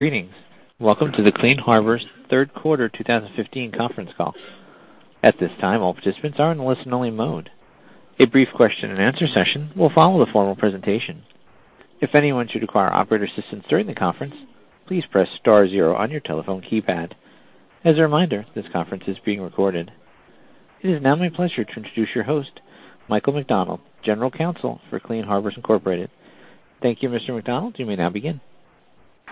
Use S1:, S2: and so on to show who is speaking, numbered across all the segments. S1: Greetings. Welcome to the Clean Harbors third quarter 2015 conference call. At this time, all participants are in listen-only mode. A brief question-and-answer session will follow the formal presentation. If anyone should require operator assistance during the conference, please press star zero on your telephone keypad. As a reminder, this conference is being recorded. It is now my pleasure to introduce your host, Michael McDonald, General Counsel for Clean Harbors Incorporated. Thank you, Mr. McDonald. You may now begin.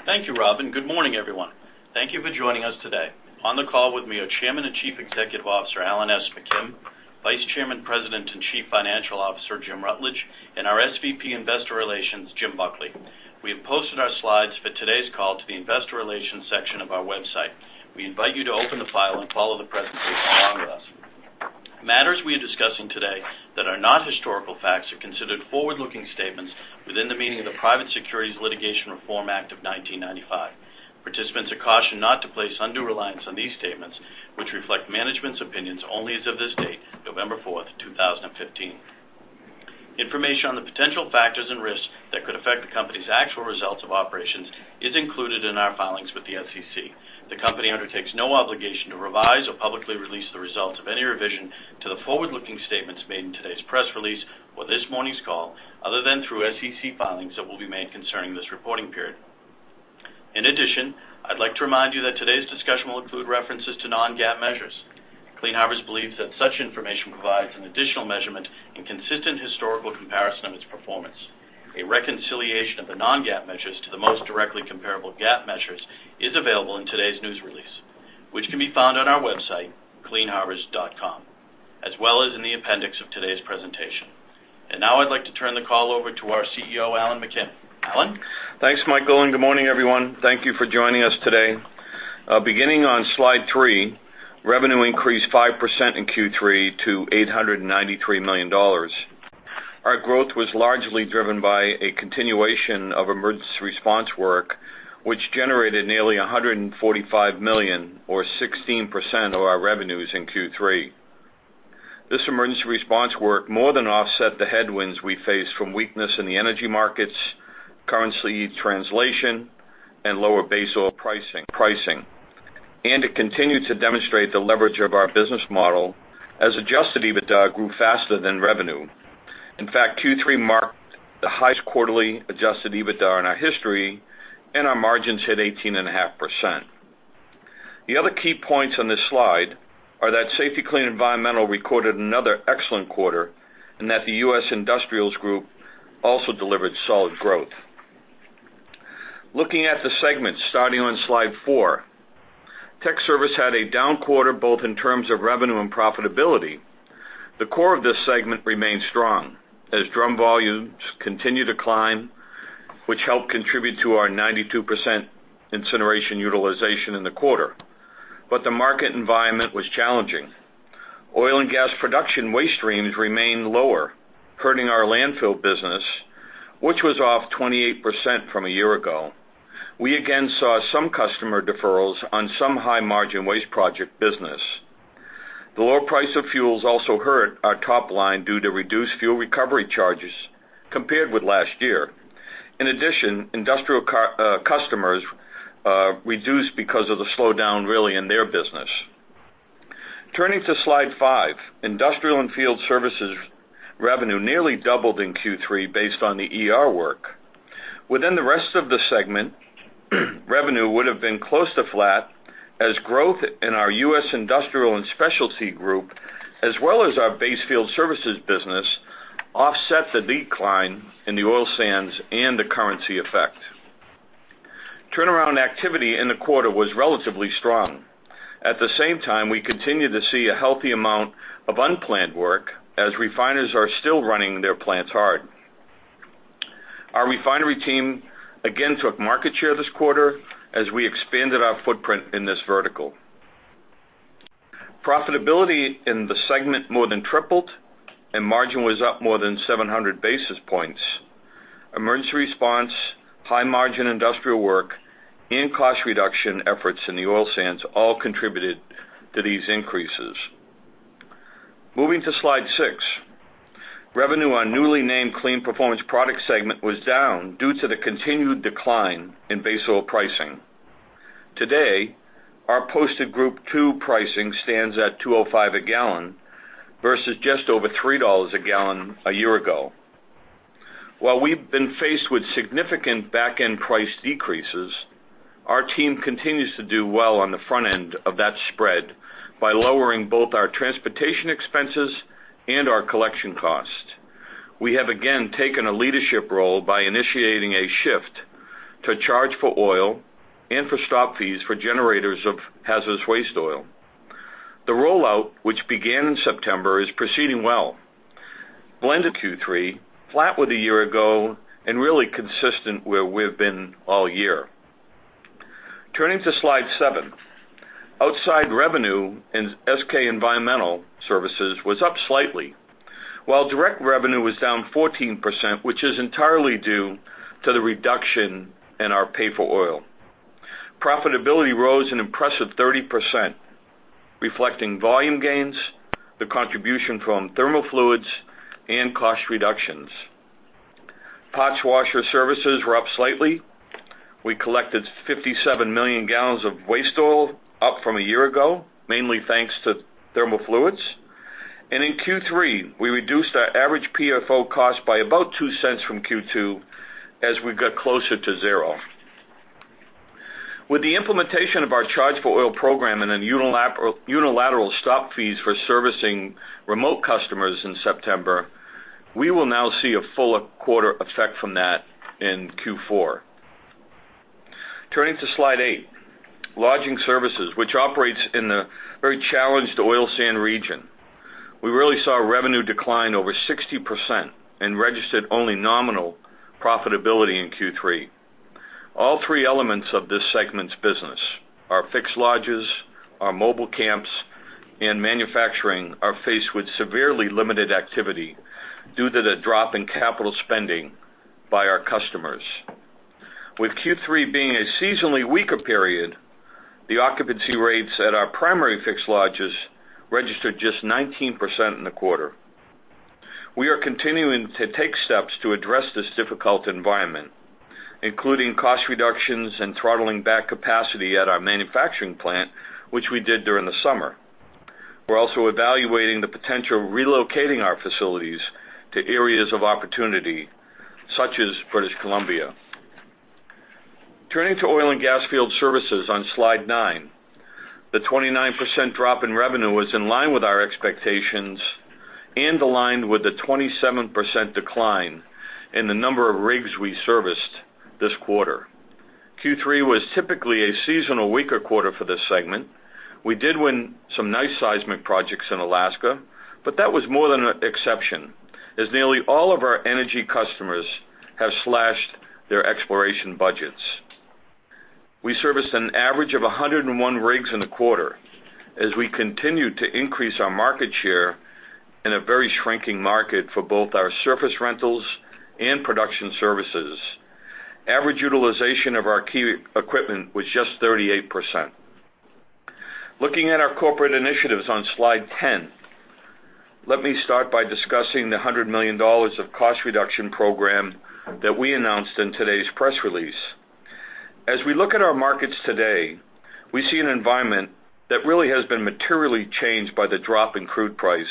S2: Thank you, Robin. Good morning, everyone. Thank you for joining us today. On the call with me are Chairman and Chief Executive Officer, Alan S. McKim, Vice Chairman, President and Chief Financial Officer, Jim Rutledge, and our SVP Investor Relations, Jim Buckley. We have posted our slides for today's call to the investor relations section of our website. We invite you to open the file and follow the presentation along with us. Matters we are discussing today that are not historical facts are considered forward-looking statements within the meaning of the Private Securities Litigation Reform Act of 1995. Participants are cautioned not to place undue reliance on these statements, which reflect management's opinions only as of this date, November 4th, 2015. Information on the potential factors and risks that could affect the company's actual results of operations is included in our filings with the SEC. The company undertakes no obligation to revise or publicly release the results of any revision to the forward-looking statements made in today's press release or this morning's call, other than through SEC filings that will be made concerning this reporting period. In addition, I'd like to remind you that today's discussion will include references to non-GAAP measures. Clean Harbors believes that such information provides an additional measurement and consistent historical comparison of its performance. A reconciliation of the non-GAAP measures to the most directly comparable GAAP measures is available in today's news release, which can be found on our website, cleanharbors.com, as well as in the appendix of today's presentation. Now I'd like to turn the call over to our CEO, Alan McKim. Alan?
S3: Thanks, Michael, and good morning, everyone. Thank you for joining us today. Beginning on Slide 3, revenue increased 5% in Q3 to $893 million. Our growth was largely driven by a continuation of emergency response work, which generated nearly $145 million, or 16% of our revenues in Q3. This emergency response work more than offset the headwinds we face from weakness in the energy markets, currency translation, and lower base oil pricing, pricing. And it continued to demonstrate the leverage of our business model as Adjusted EBITDA grew faster than revenue. In fact, Q3 marked the highest quarterly Adjusted EBITDA in our history, and our margins hit 18.5%. The other key points on this slide are that Safety-Kleen Environmental recorded another excellent quarter and that the US Industrials Group also delivered solid growth. Looking at the segments, starting on Slide 4, Tech Service had a down quarter, both in terms of revenue and profitability. The core of this segment remains strong as drum volumes continue to climb, which helped contribute to our 92% incineration utilization in the quarter. But the market environment was challenging. Oil and gas production waste streams remained lower, hurting our landfill business, which was off 28% from a year ago. We again saw some customer deferrals on some high-margin waste project business. The lower price of fuels also hurt our top line due to reduced fuel recovery charges compared with last year. In addition, industrial core, customers, reduced because of the slowdown really in their business. Turning to Slide 5, Industrial and Field Services revenue nearly doubled in Q3 based on the ER work. Within the rest of the segment, revenue would have been close to flat, as growth in our US Industrial and Specialty Group, as well as our Base Field Services business, offset the decline in the oil sands and the currency effect. Turnaround activity in the quarter was relatively strong. At the same time, we continued to see a healthy amount of unplanned work as refiners are still running their plants hard. Our refinery team again took market share this quarter as we expanded our footprint in this vertical. Profitability in the segment more than tripled, and margin was up more than 700 basis points. Emergency response, high-margin industrial work, and cost reduction efforts in the oil sands all contributed to these increases. Moving to Slide 6, revenue on newly named Kleen Performance Products segment was down due to the continued decline in base oil pricing. Today, our posted Group II pricing stands at $2.05 a gallon versus just over $3 a gallon a year ago. While we've been faced with significant back-end price decreases, our team continues to do well on the front end of that spread by lowering both our transportation expenses and our collection costs. We have again taken a leadership role by initiating a shift to charge for oil and for stop fees for generators of hazardous waste oil. The rollout, which began in September, is proceeding well. Blend Q3, flat with a year ago and really consistent where we've been all year. Turning to Slide 7, outside revenue in SK Environmental Services was up slightly, while direct revenue was down 14%, which is entirely due to the reduction in our pay for oil. Profitability rose an impressive 30%. reflecting volume gains, the contribution from thermal fluids, and cost reductions. Parts washer services were up slightly. We collected 57 million gallons of waste oil, up from a year ago, mainly thanks to thermal fluids. And in Q3, we reduced our average PFO cost by about $0.02 from Q2 as we got closer to zero. With the implementation of our Charge for Oil program and then unilateral stop fees for servicing remote customers in September, we will now see a full quarter effect from that in Q4. Turning to Slide 8, Lodging Services, which operates in the very challenged oil sands region. We really saw revenue decline over 60% and registered only nominal profitability in Q3. All three elements of this segment's business, our fixed lodges, our mobile camps, and manufacturing, are faced with severely limited activity due to the drop in capital spending by our customers. With Q3 being a seasonally weaker period, the occupancy rates at our primary fixed lodges registered just 19% in the quarter. We are continuing to take steps to address this difficult environment, including cost reductions and throttling back capacity at our manufacturing plant, which we did during the summer. We're also evaluating the potential of relocating our facilities to areas of opportunity, such as British Columbia. Turning to Oil and Gas Field Services on Slide 9, the 29% drop in revenue was in line with our expectations and aligned with the 27% decline in the number of rigs we serviced this quarter. Q3 was typically a seasonal weaker quarter for this segment. We did win some nice seismic projects in Alaska, but that was more than an exception, as nearly all of our energy customers have slashed their exploration budgets. We serviced an average of 101 rigs in the quarter as we continued to increase our market share in a very shrinking market for both our surface rentals and production services. Average utilization of our key equipment was just 38%. Looking at our corporate initiatives on Slide 10, let me start by discussing the $100 million cost reduction program that we announced in today's press release. As we look at our markets today, we see an environment that really has been materially changed by the drop in crude price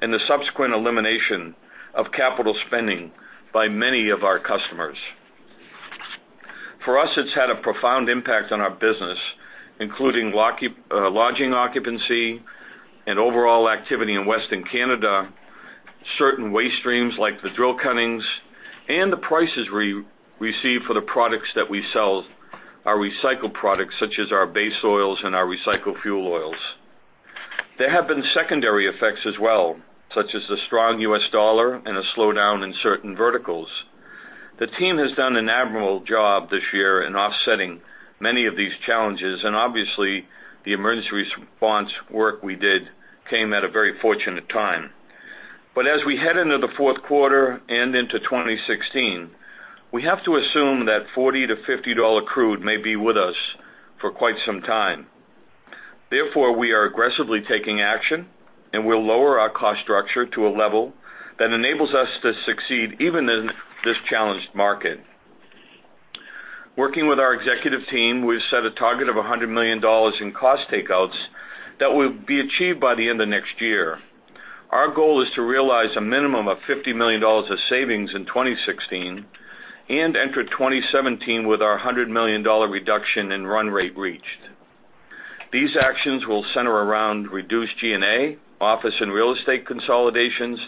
S3: and the subsequent elimination of capital spending by many of our customers. For us, it's had a profound impact on our business, including lodging occupancy and overall activity in Western Canada, certain waste streams, like the drill cuttings, and the prices received for the products that we sell, our recycled products, such as our base oils and our recycled fuel oils. There have been secondary effects as well, such as the strong US dollar and a slowdown in certain verticals. The team has done an admirable job this year in offsetting many of these challenges, and obviously, the emergency response work we did came at a very fortunate time. But as we head into the fourth quarter and into 2016, we have to assume that $40-$50 crude may be with us for quite some time. Therefore, we are aggressively taking action, and we'll lower our cost structure to a level that enables us to succeed even in this challenged market. Working with our executive team, we've set a target of $100 million in cost takeouts that will be achieved by the end of next year. Our goal is to realize a minimum of $50 million of savings in 2016 and enter 2017 with our $100 million reduction in run rate reached. These actions will center around reduced G&A, office and real estate consolidations,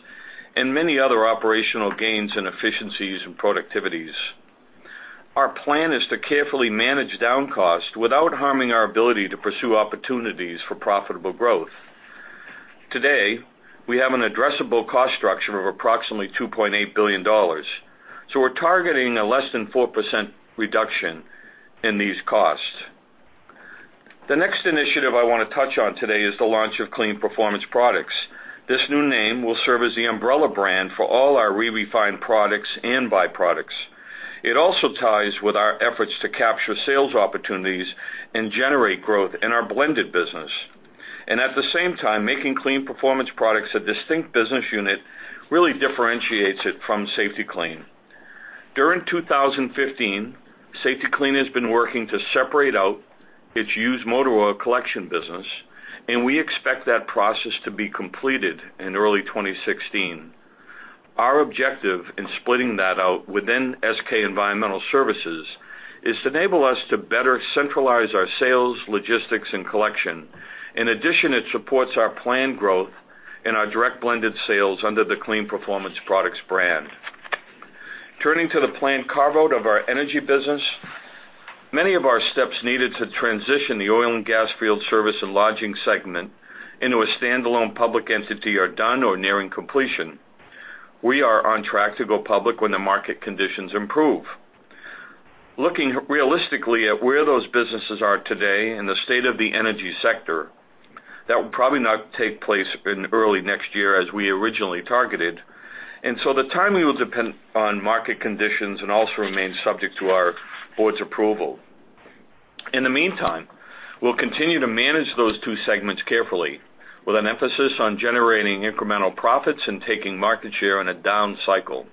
S3: and many other operational gains and efficiencies and productivities. Our plan is to carefully manage down cost without harming our ability to pursue opportunities for profitable growth. Today, we have an addressable cost structure of approximately $2.8 billion, so we're targeting a less than 4% reduction in these costs. The next initiative I wanna touch on today is the launch of Kleen Performance Products. This new name will serve as the umbrella brand for all our re-refined products and byproducts. It also ties with our efforts to capture sales opportunities and generate growth in our blended business. And at the same time, making Kleen Performance Products a distinct business unit really differentiates it from Safety-Kleen. During 2015, Safety-Kleen has been working to separate out its used motor oil collection business, and we expect that process to be completed in early 2016. Our objective in splitting that out within SK Environmental Services is to enable us to better centralize our sales, logistics, and collection. In addition, it supports our planned growth in our direct blended sales under the Kleen Performance Products brand. Turning to the planned carve-out of our energy business, many of our steps needed to transition the oil and gas field service and lodging segment into a standalone public entity are done or nearing completion. We are on track to go public when the market conditions improve. Looking realistically at where those businesses are today and the state of the energy sector, that will probably not take place in early next year as we originally targeted. And so the timing will depend on market conditions and also remains subject to our board's approval. In the meantime, we'll continue to manage those two segments carefully, with an emphasis on generating incremental profits and taking market share in a down cycle.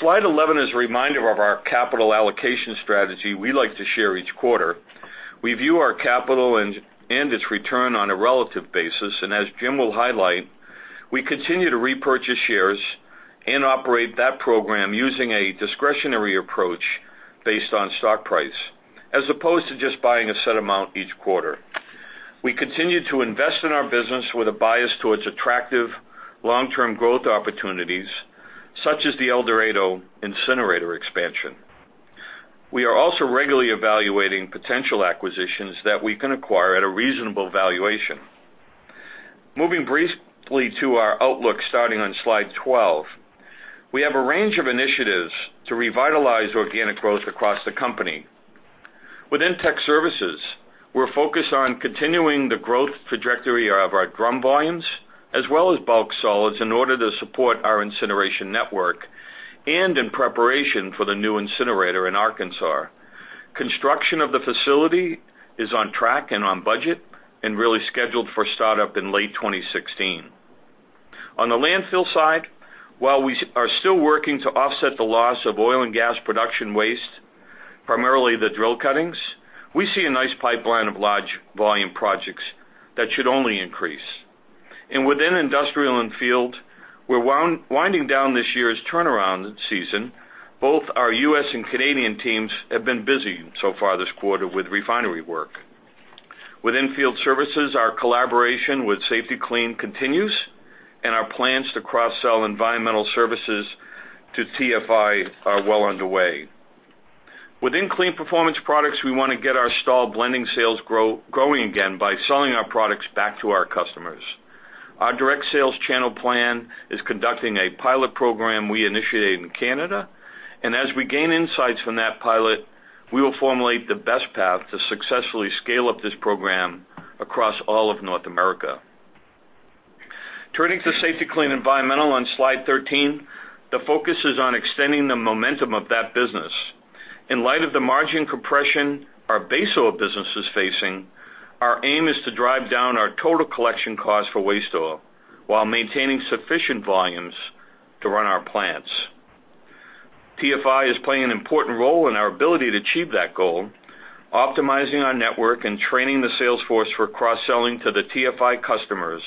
S3: Slide 11 is a reminder of our capital allocation strategy we like to share each quarter. We view our capital and its return on a relative basis, and as Jim will highlight, we continue to repurchase shares and operate that program using a discretionary approach based on stock price, as opposed to just buying a set amount each quarter. We continue to invest in our business with a bias towards attractive long-term growth opportunities, such as the El Dorado incinerator expansion. We are also regularly evaluating potential acquisitions that we can acquire at a reasonable valuation. Moving briefly to our outlook, starting on Slide 12. We have a range of initiatives to revitalize organic growth across the company. Within tech services, we're focused on continuing the growth trajectory of our drum volumes, as well as bulk solids, in order to support our incineration network and in preparation for the new incinerator in Arkansas. Construction of the facility is on track and on budget, and really scheduled for startup in late 2016. On the landfill side, while we are still working to offset the loss of oil and gas production waste, primarily the drill cuttings, we see a nice pipeline of large volume projects that should only increase. Within industrial and field, we're winding down this year's turnaround season. Both our U.S. and Canadian teams have been busy so far this quarter with refinery work. Within field services, our collaboration with Safety-Kleen continues, and our plans to cross-sell environmental services to TFI are well underway. Within Kleen Performance Products, we wanna get our stalled blending sales growing again by selling our products back to our customers. Our direct sales channel plan is conducting a pilot program we initiated in Canada, and as we gain insights from that pilot, we will formulate the best path to successfully scale up this program across all of North America. Turning to Safety-Kleen Environmental on Slide 13, the focus is on extending the momentum of that business. In light of the margin compression our base oil business is facing, our aim is to drive down our total collection costs for waste oil while maintaining sufficient volumes to run our plants. TFI is playing an important role in our ability to achieve that goal. Optimizing our network and training the sales force for cross-selling to the TFI customers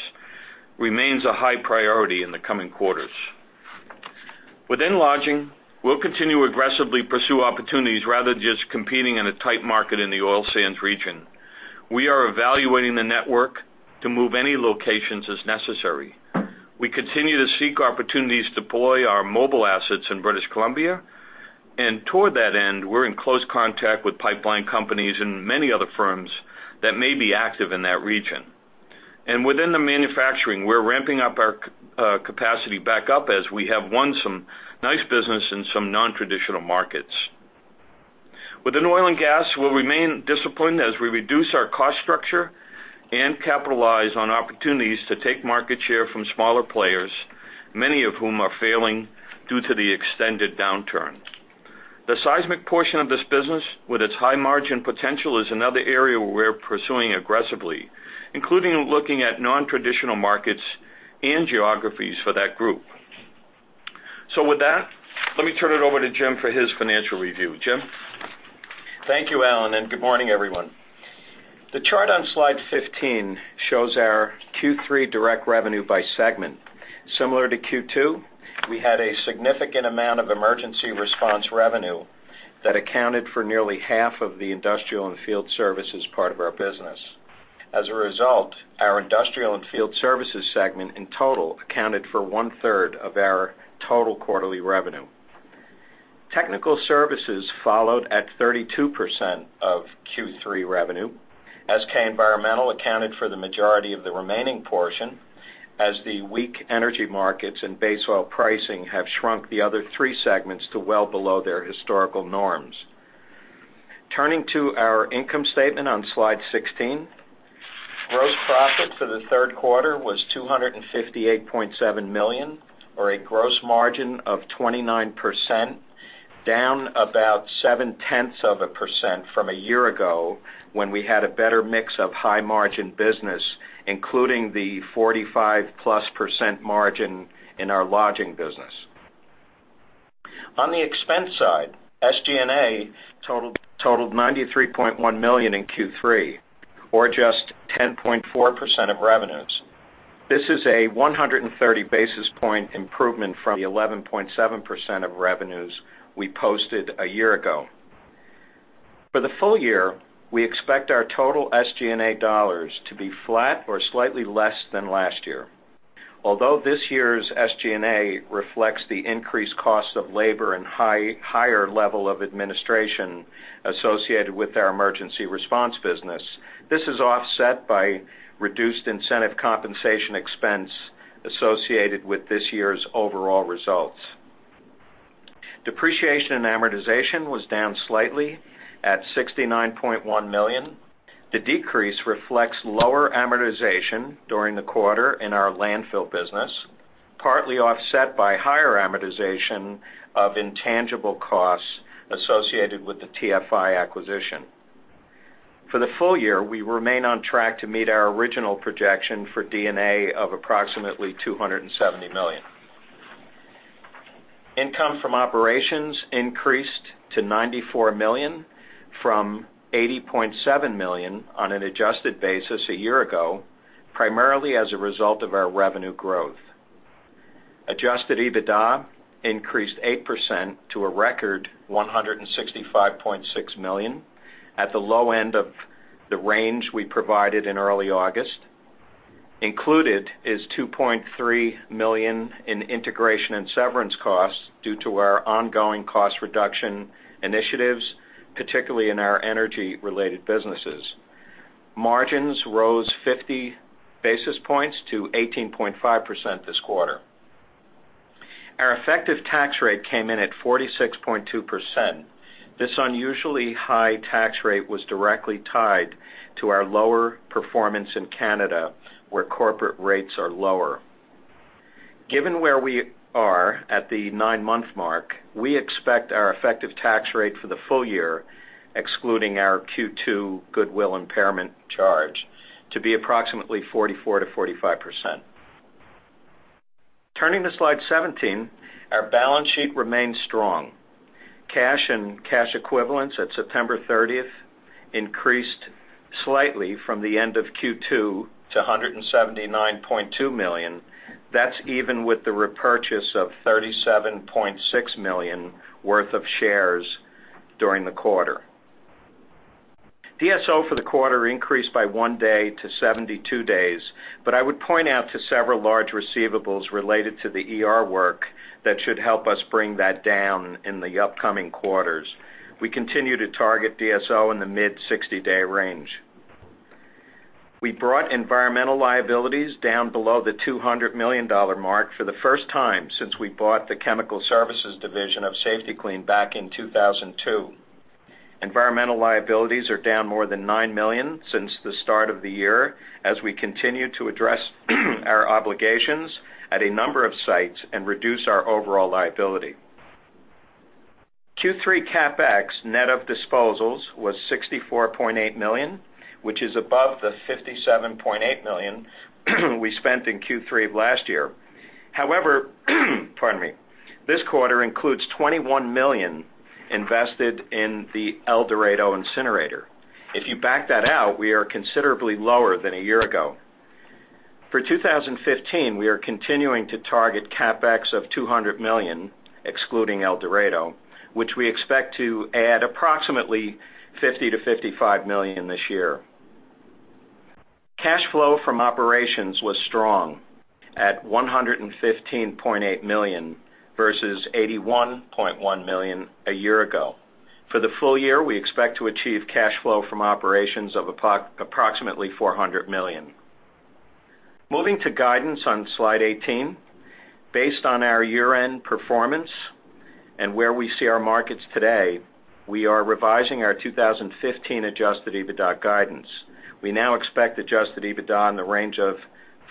S3: remains a high priority in the coming quarters. Within lodging, we'll continue to aggressively pursue opportunities rather than just competing in a tight market in the oil sands region. We are evaluating the network to move any locations as necessary. We continue to seek opportunities to deploy our mobile assets in British Columbia, and toward that end, we're in close contact with pipeline companies and many other firms that may be active in that region. And within the manufacturing, we're ramping up our capacity back up as we have won some nice business in some nontraditional markets. Within oil and gas, we'll remain disciplined as we reduce our cost structure and capitalize on opportunities to take market share from smaller players, many of whom are failing due to the extended downturn. The seismic portion of this business, with its high margin potential, is another area where we're pursuing aggressively, including looking at nontraditional markets and geographies for that group. So with that, let me turn it over to Jim for his financial review. Jim?
S4: Thank you, Alan, and good morning, everyone. The chart on Slide 15 shows our Q3 direct revenue by segment. Similar to Q2, we had a significant amount of emergency response revenue that accounted for nearly half of the industrial and field services part of our business. As a result, our industrial and field services segment in total accounted for 1/3 of our total quarterly revenue. Technical services followed at 32% of Q3 revenue, as SK Environmental accounted for the majority of the remaining portion, as the weak energy markets and base oil pricing have shrunk the other three segments to well below their historical norms. Turning to our income statement on Slide 16. Gross profit for the third quarter was $258.7 million, or a gross margin of 29%, down about 0.7% from a year ago, when we had a better mix of high margin business, including the 45%+ margin in our lodging business. On the expense side, SG&A totaled $93.1 million in Q3, or just 10.4% of revenues. This is a 130 basis point improvement from the 11.7% of revenues we posted a year ago. For the full year, we expect our total SG&A dollars to be flat or slightly less than last year. Although this year's SG&A reflects the increased cost of labor and higher level of administration associated with our emergency response business, this is offset by reduced incentive compensation expense associated with this year's overall results. Depreciation and amortization was down slightly at $69.1 million. The decrease reflects lower amortization during the quarter in our landfill business, partly offset by higher amortization of intangible costs associated with the TFI acquisition. For the full year, we remain on track to meet our original projection for D&A of approximately $270 million. Income from operations increased to $94 million from $80.7 million on an adjusted basis a year ago, primarily as a result of our revenue growth. Adjusted EBITDA increased 8% to a record $165.6 million at the low end of the range we provided in early August. Included is $2.3 million in integration and severance costs due to our ongoing cost reduction initiatives, particularly in our energy-related businesses. Margins rose 50 basis points to 18.5% this quarter. Our effective tax rate came in at 46.2%. This unusually high tax rate was directly tied to our lower performance in Canada, where corporate rates are lower. Given where we are at the nine-month mark, we expect our effective tax rate for the full year, excluding our Q2 goodwill impairment charge, to be approximately 44%-45%. Turning to Slide 17, our balance sheet remains strong. Cash and cash equivalents at September 30 increased slightly from the end of Q2 to $179.2 million. That's even with the repurchase of $37.6 million worth of shares during the quarter. DSO for the quarter increased by one day to 72 days, but I would point out to several large receivables related to the ER work that should help us bring that down in the upcoming quarters. We continue to target DSO in the mid-60-day range. We brought environmental liabilities down below the $200 million mark for the first time since we bought the Chemical Services division of Safety-Kleen back in 2002. Environmental liabilities are down more than $9 million since the start of the year, as we continue to address our obligations at a number of sites and reduce our overall liability. Q3 CapEx, net of disposals, was $64.8 million, which is above the $57.8 million we spent in Q3 of last year. However, pardon me, this quarter includes $21 million invested in the El Dorado incinerator. If you back that out, we are considerably lower than a year ago. For 2015, we are continuing to target CapEx of $200 million, excluding El Dorado, which we expect to add approximately $50-$55 million this year. Cash flow from operations was strong at $115.8 million, versus $81.1 million a year ago. For the full year, we expect to achieve cash flow from operations of approximately $400 million. Moving to guidance on Slide 18. Based on our year-end performance and where we see our markets today, we are revising our 2015 Adjusted EBITDA guidance. We now expect Adjusted EBITDA in the range of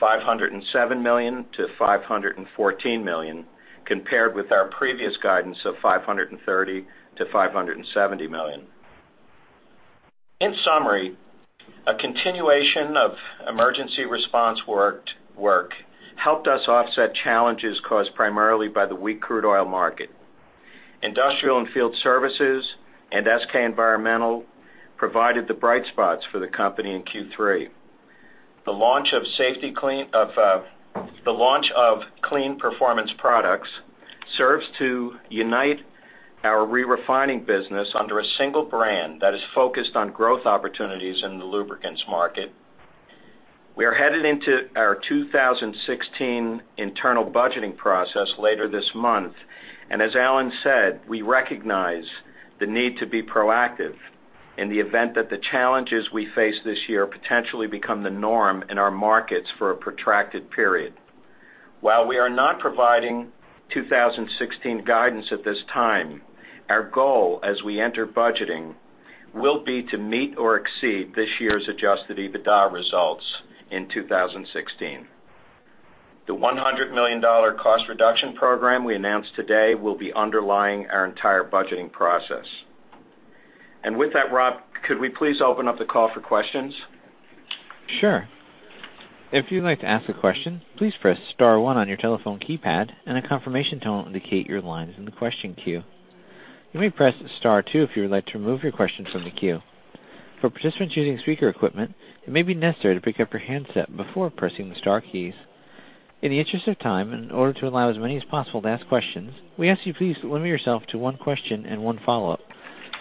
S4: $507 million-$514 million, compared with our previous guidance of $530 million-$570 million. In summary, a continuation of emergency response work helped us offset challenges caused primarily by the weak crude oil market. Industrial and Field Services and SK Environmental provided the bright spots for the company in Q3. The launch of Kleen Performance Products serves to unite our re-refining business under a single brand that is focused on growth opportunities in the lubricants market. We are headed into our 2016 internal budgeting process later this month, and as Alan said, we recognize the need to be proactive in the event that the challenges we face this year potentially become the norm in our markets for a protracted period. While we are not providing 2016 guidance at this time, our goal, as we enter budgeting, will be to meet or exceed this year's Adjusted EBITDA results in 2016. The $100 million cost reduction program we announced today will be underlying our entire budgeting process. With that, Rob, could we please open up the call for questions?
S1: Sure. If you'd like to ask a question, please press star one on your telephone keypad, and a confirmation tone will indicate your line's in the question queue. You may press star two if you would like to remove your question from the queue. For participants using speaker equipment, it may be necessary to pick up your handset before pressing the star keys. In the interest of time, and in order to allow as many as possible to ask questions, we ask you please to limit yourself to one question and one follow-up.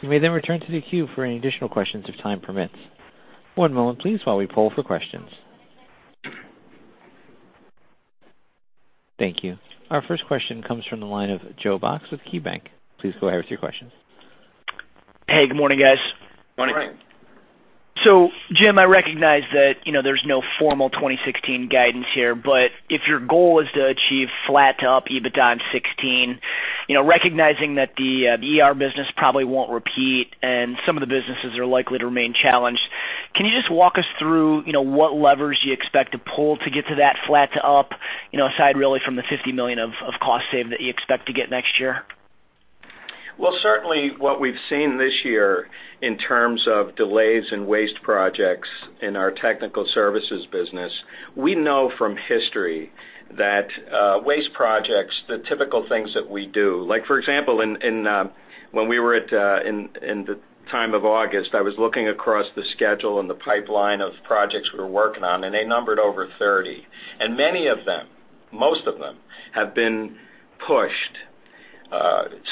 S1: You may then return to the queue for any additional questions if time permits. One moment, please, while we poll for questions. Thank you. Our first question comes from the line of Joe Box with KeyBank. Please go ahead with your questions.
S5: Hey, good morning, guys.
S4: Morning.
S5: So, Jim, I recognize that, you know, there's no formal 2016 guidance here, but if your goal is to achieve flat to up EBITDA in 2016, you know, recognizing that the ER business probably won't repeat and some of the businesses are likely to remain challenged, can you just walk us through, you know, what levers you expect to pull to get to that flat to up, you know, aside really from the $50 million of cost save that you expect to get next year?
S4: Well, certainly what we've seen this year in terms of delays in waste projects in our technical services business, we know from history that waste projects, the typical things that we do, like for example, in when we were at in the time of August, I was looking across the schedule and the pipeline of projects we were working on, and they numbered over 30. And many of them, most of them, have been pushed.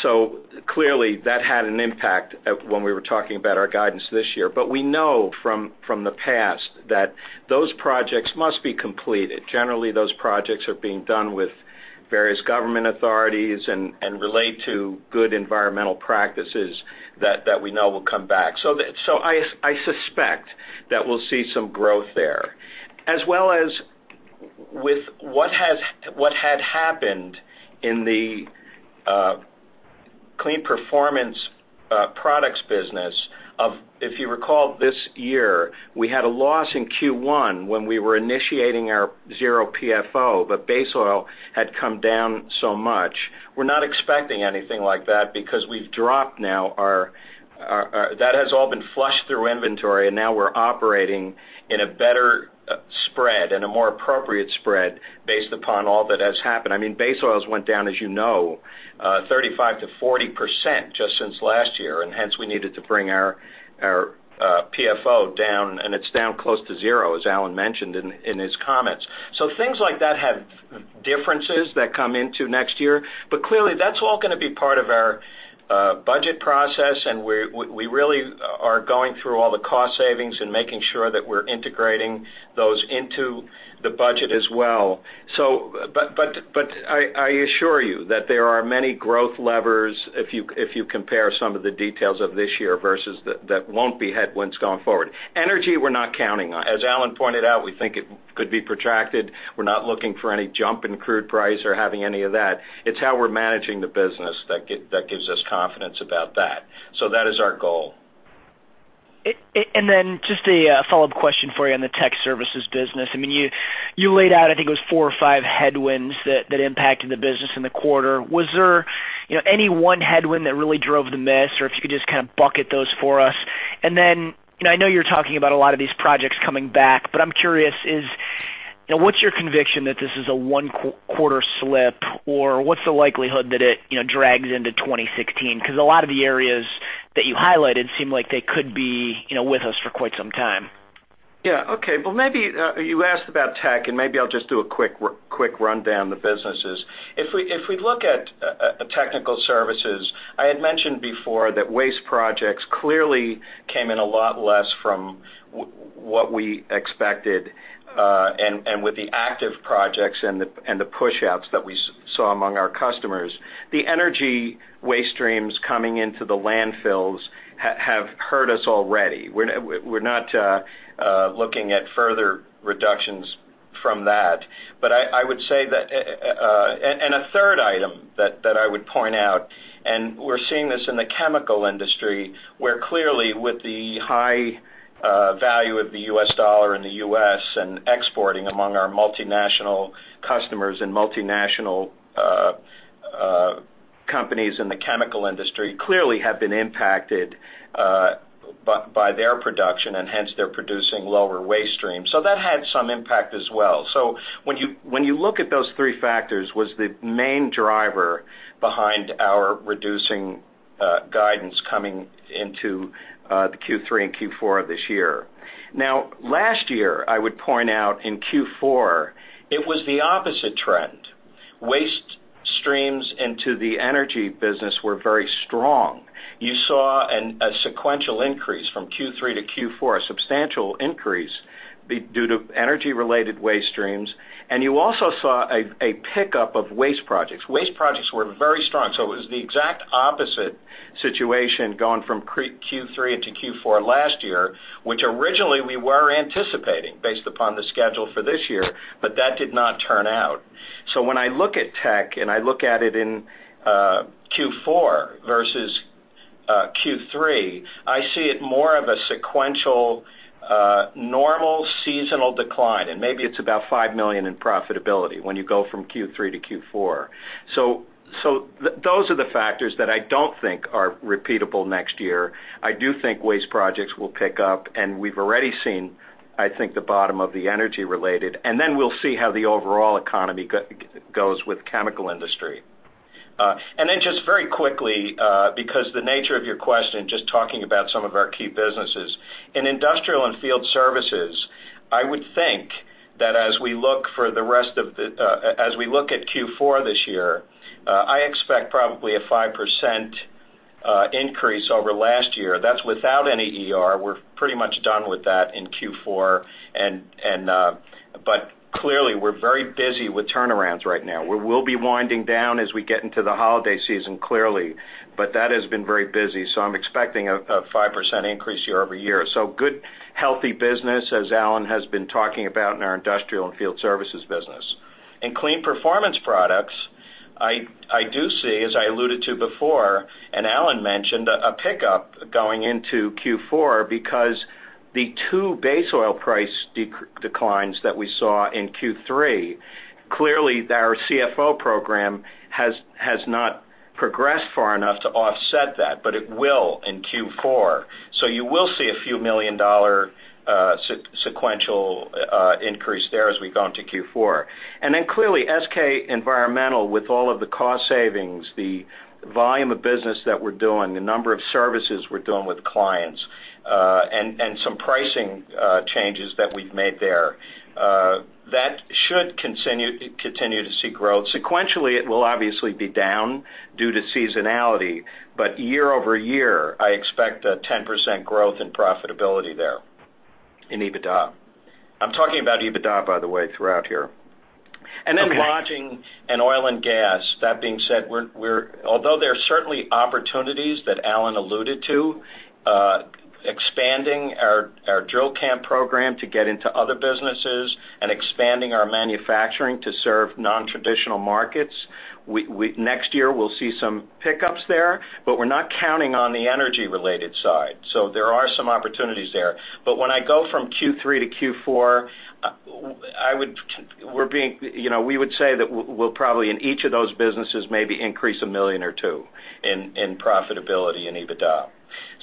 S4: So clearly, that had an impact when we were talking about our guidance this year. But we know from the past that those projects must be completed. Generally, those projects are being done with various government authorities and relate to good environmental practices that we know will come back. So I suspect that we'll see some growth there, as well as with what had happened in the Kleen Performance Products business. If you recall this year, we had a loss in Q1 when we were initiating our zero PFO, but base oil had come down so much. We're not expecting anything like that because we've dropped now our—that has all been flushed through inventory, and now we're operating in a better spread and a more appropriate spread based upon all that has happened. I mean, base oils went down, as you know, 35%-40% just since last year, and hence, we needed to bring our PFO down, and it's down close to zero, as Alan mentioned in his comments. So things like that have differences that come into next year. But clearly, that's all gonna be part of our budget process, and we're really going through all the cost savings and making sure that we're integrating those into the budget as well. So, I assure you that there are many growth levers if you compare some of the details of this year versus that, that won't be headwinds going forward. Energy, we're not counting on. As Alan pointed out, we think it could be protracted. We're not looking for any jump in crude price or having any of that. It's how we're managing the business that gives us confidence about that. So that is our goal.
S5: Then just a follow-up question for you on the tech services business. I mean, you laid out, I think it was four or five headwinds that impacted the business in the quarter. Was there, you know, any one headwind that really drove the miss, or if you could just kind of bucket those for us? And then, you know, I know you're talking about a lot of these projects coming back, but I'm curious, you know, what's your conviction that this is a one quarter slip, or what's the likelihood that it, you know, drags into 2016? Because a lot of the areas that you highlighted seem like they could be, you know, with us for quite some time.
S4: Yeah, okay. Well, maybe you asked about tech, and maybe I'll just do a quick rundown of the businesses. If we look at technical services, I had mentioned before that waste projects clearly came in a lot less from what we expected, and with the active projects and the pushouts that we saw among our customers, the energy waste streams coming into the landfills have hurt us already. We're not looking at further reductions from that. But I would say that... A third item that I would point out, and we're seeing this in the chemical industry, where clearly with the high value of the US dollar in the U.S. and exporting among our multinational customers and multinational companies in the chemical industry, clearly have been impacted by their production, and hence, they're producing lower waste streams. So that had some impact as well. So when you look at those three factors, was the main driver behind our reducing guidance coming into the Q3 and Q4 of this year. Now, last year, I would point out in Q4, it was the opposite trend. Waste streams into the energy business were very strong. You saw a sequential increase from Q3 to Q4, a substantial increase due to energy-related waste streams, and you also saw a pickup of waste projects. Waste projects were very strong, so it was the exact opposite situation going from Q3 into Q4 last year, which originally we were anticipating based upon the schedule for this year, but that did not turn out. So when I look at tech, and I look at it in Q4 versus Q3, I see it more of a sequential normal seasonal decline, and maybe it's about $5 million in profitability when you go from Q3 to Q4. So those are the factors that I don't think are repeatable next year. I do think waste projects will pick up, and we've already seen, I think, the bottom of the energy-related, and then we'll see how the overall economy goes with chemical industry. And then just very quickly, because the nature of your question, just talking about some of our key businesses. In industrial and field services, I would think that as we look for the rest of the, as we look at Q4 this year, I expect probably a 5% increase over last year. That's without any ER. We're pretty much done with that in Q4, and, and, but clearly, we're very busy with turnarounds right now, where we'll be winding down as we get into the holiday season, clearly, but that has been very busy, so I'm expecting a 5% increase year-over-year. So good, healthy business, as Alan has been talking about in our industrial and field services business. In Kleen Performance Products, I do see, as I alluded to before, and Alan mentioned, a pickup going into Q4 because the two base oil price declines that we saw in Q3, clearly, our CFO program has not progressed far enough to offset that, but it will in Q4. So you will see a few million-dollar sequential increase there as we go into Q4. And then clearly, SK Environmental, with all of the cost savings, the volume of business that we're doing, the number of services we're doing with clients, and some pricing changes that we've made there, that should continue to see growth. Sequentially, it will obviously be down due to seasonality, but year-over-year, I expect a 10% growth in profitability there in EBITDA. I'm talking about EBITDA, by the way, throughout here. And then lodging and oil and gas, that being said, we're, although there are certainly opportunities that Alan alluded to, expanding our drill camp program to get into other businesses and expanding our manufacturing to serve nontraditional markets, we next year, we'll see some pickups there, but we're not counting on the energy-related side. So there are some opportunities there. But when I go from Q3 to Q4, you know, we would say that we'll probably, in each of those businesses, maybe increase $1 million-$2 million in profitability in EBITDA.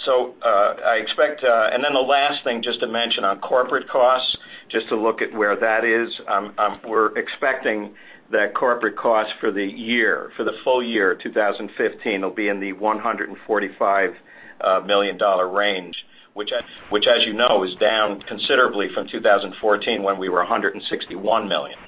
S4: So, I expect. And then the last thing, just to mention on corporate costs, just to look at where that is, we're expecting that corporate costs for the year, for the full year of 2015, will be in the $145 million range, which as, which as you know, is down considerably from 2014, when we were $161 million.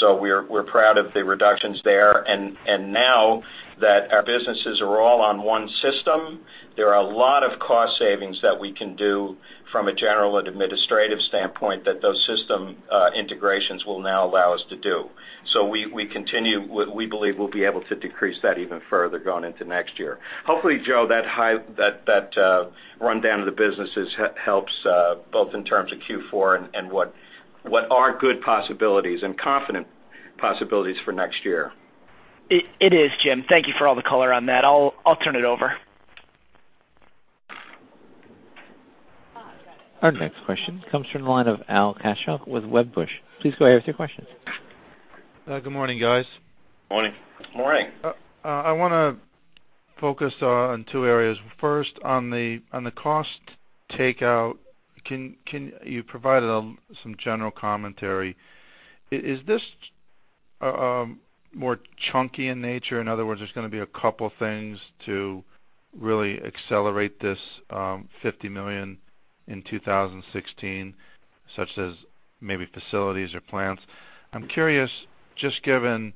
S4: So we're, we're proud of the reductions there. And, and now that our businesses are all on one system, there are a lot of cost savings that we can do from a general and administrative standpoint, that those system integrations will now allow us to do. So we, we continue, we believe we'll be able to decrease that even further going into next year. Hopefully, Joe, that high rundown of the businesses helps both in terms of Q4 and what are good possibilities and confident possibilities for next year.
S5: It is, Jim. Thank you for all the color on that. I'll turn it over.
S1: Our next question comes from the line of Al Kaschalk with Wedbush. Please go ahead with your questions.
S6: Good morning, guys.
S4: Morning.
S5: Morning.
S6: I wanna focus on two areas. First, on the cost takeout. You provided some general commentary. Is this more chunky in nature? In other words, there's gonna be a couple things to really accelerate this $50 million in 2016, such as maybe facilities or plants. I'm curious, just given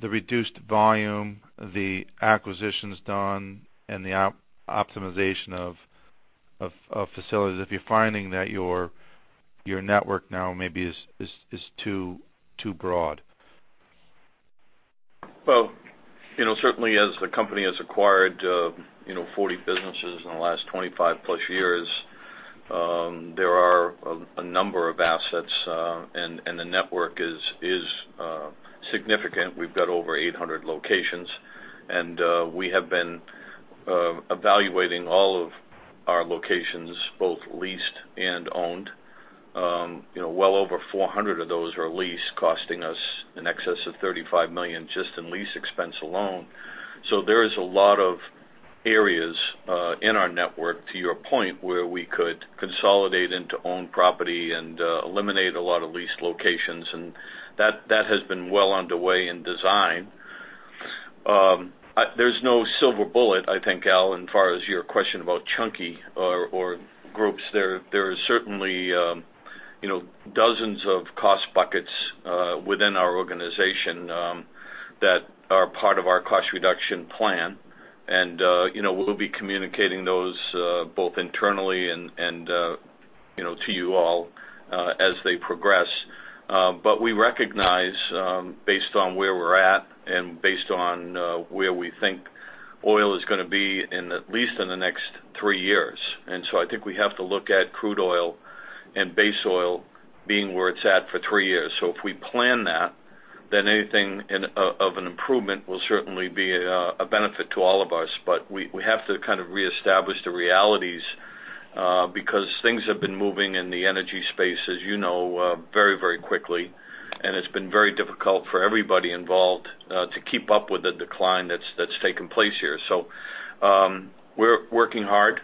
S6: the reduced volume, the acquisitions done, and the optimization of facilities, if you're finding that your network now maybe is too broad.
S3: Well, you know, certainly as the company has acquired, you know, 40 businesses in the last 25+ years, there are a number of assets, and the network is significant. We've got over 800 locations, and we have been evaluating all of our locations, both leased and owned. You know, well over 400 of those are leased, costing us in excess of $35 million, just in lease expense alone. So there is a lot of areas in our network, to your point, where we could consolidate into owned property and eliminate a lot of leased locations, and that has been well underway in design. There's no silver bullet, I think, Al, as far as your question about chunky or groups. There are certainly, you know, dozens of cost buckets within our organization that are part of our cost reduction plan. And, you know, we'll be communicating those both internally and, you know, to you all as they progress. But we recognize based on where we're at and based on where we think oil is gonna be in at least in the next three years. And so I think we have to look at crude oil and base oil being where it's at for three years. So if we plan that, then anything in of an improvement will certainly be a benefit to all of us. But we have to kind of reestablish the realities, because things have been moving in the energy space, as you know, very, very quickly, and it's been very difficult for everybody involved to keep up with the decline that's taken place here. So, we're working hard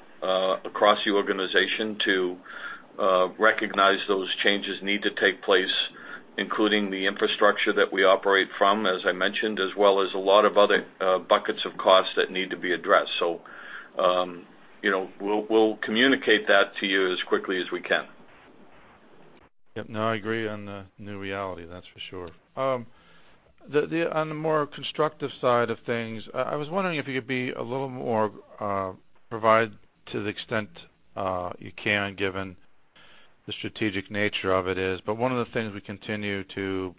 S3: across the organization to recognize those changes need to take place, including the infrastructure that we operate from, as I mentioned, as well as a lot of other buckets of costs that need to be addressed. So, you know, we'll communicate that to you as quickly as we can.
S6: Yep. No, I agree on the new reality, that's for sure. On the more constructive side of things, I was wondering if you could provide to the extent you can, given the strategic nature of it is. But one of the things we continue to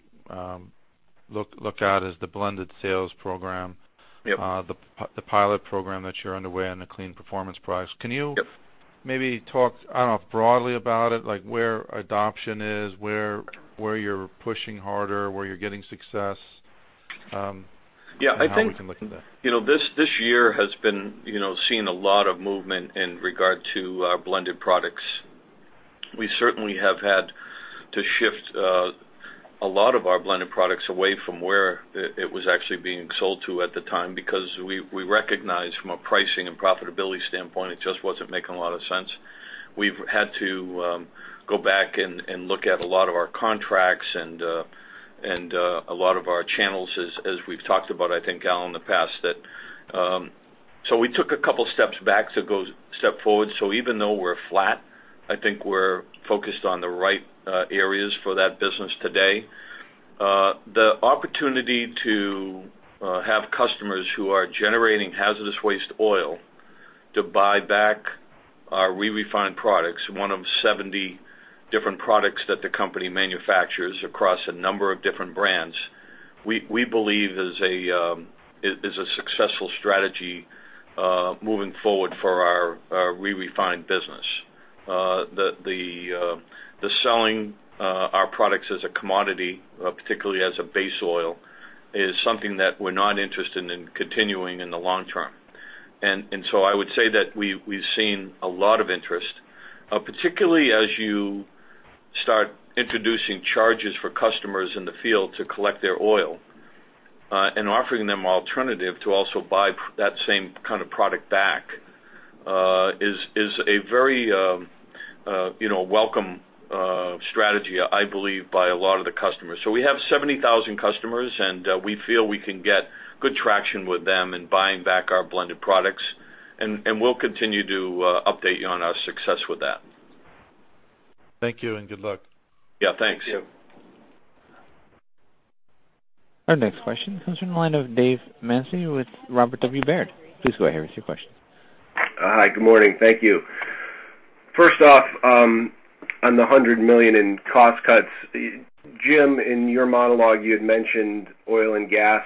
S6: look at is the blended sales program.
S3: Yep.
S6: The pilot program that you're underway on the Kleen Performance Products.
S3: Yep.
S6: Can you maybe talk, I don't know, broadly about it, like, where adoption is, where, where you're pushing harder, where you're getting success?
S3: Yeah, I think-
S6: How we can look at that.
S3: You know, this year has been, you know, seeing a lot of movement in regard to our blended products. We certainly have had to shift a lot of our blended products away from where it was actually being sold to at the time, because we recognized from a pricing and profitability standpoint, it just wasn't making a lot of sense. We've had to go back and look at a lot of our contracts and a lot of our channels as we've talked about, I think, Alan, in the past, that. So we took a couple steps back to go step forward. So even though we're flat, I think we're focused on the right areas for that business today. The opportunity to have customers who are generating hazardous waste oil to buy back our re-refined products, one of 70 different products that the company manufactures across a number of different brands, we believe is a successful strategy moving forward for our re-refined business. The selling our products as a commodity, particularly as a base oil, is something that we're not interested in continuing in the long term. So I would say that we've seen a lot of interest, particularly as you start introducing charges for customers in the field to collect their oil, and offering them alternative to also buy that same kind of product back, is a very, you know, welcome strategy, I believe, by a lot of the customers. So we have 70,000 customers, and we feel we can get good traction with them in buying back our blended products, and we'll continue to update you on our success with that.
S6: Thank you, and good luck.
S3: Yeah, thanks.
S6: Thank you.
S1: Our next question comes from the line of David Manthey with Robert W. Baird. Please go ahead with your question.
S7: Hi, good morning. Thank you. First off, on the $100 million in cost cuts, Jim, in your monologue, you had mentioned oil and gas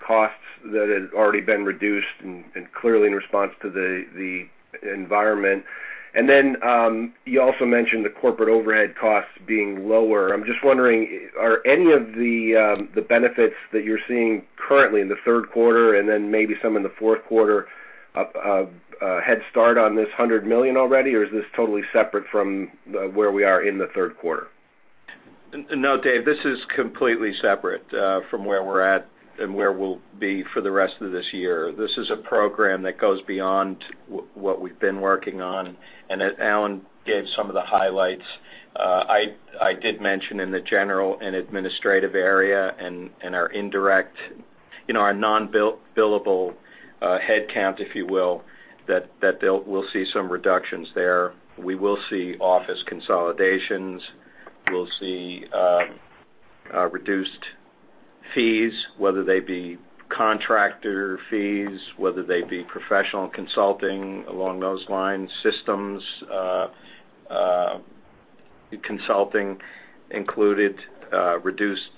S7: costs that had already been reduced and clearly in response to the environment. And then, you also mentioned the corporate overhead costs being lower. I'm just wondering, are any of the benefits that you're seeing currently in the third quarter and then maybe some in the fourth quarter, a head start on this $100 million already, or is this totally separate from where we are in the third quarter?
S4: No, Dave, this is completely separate from where we're at and where we'll be for the rest of this year. This is a program that goes beyond what we've been working on, and as Alan gave some of the highlights, I did mention in the general and administrative area and our indirect, you know, our non-billable headcount, if you will, that we'll see some reductions there. We will see office consolidations. We'll see reduced fees, whether they be contractor fees, whether they be professional consulting along those lines, systems consulting included, reduced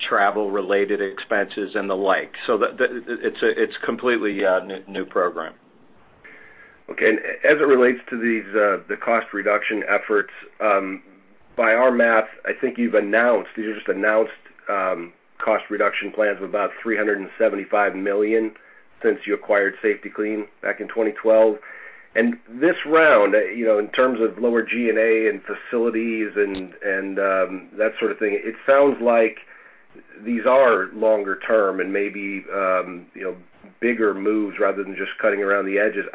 S4: travel-related expenses, and the like. So it's a completely new program.
S7: Okay. And as it relates to these, the cost reduction efforts, by our math, I think you've announced, you just announced, cost reduction plans of about $375 million since you acquired Safety-Kleen back in 2012. And this round, you know, in terms of lower G&A and facilities and, and, that sort of thing, it sounds like these are longer term and maybe, you know, bigger moves rather than just cutting around the edges.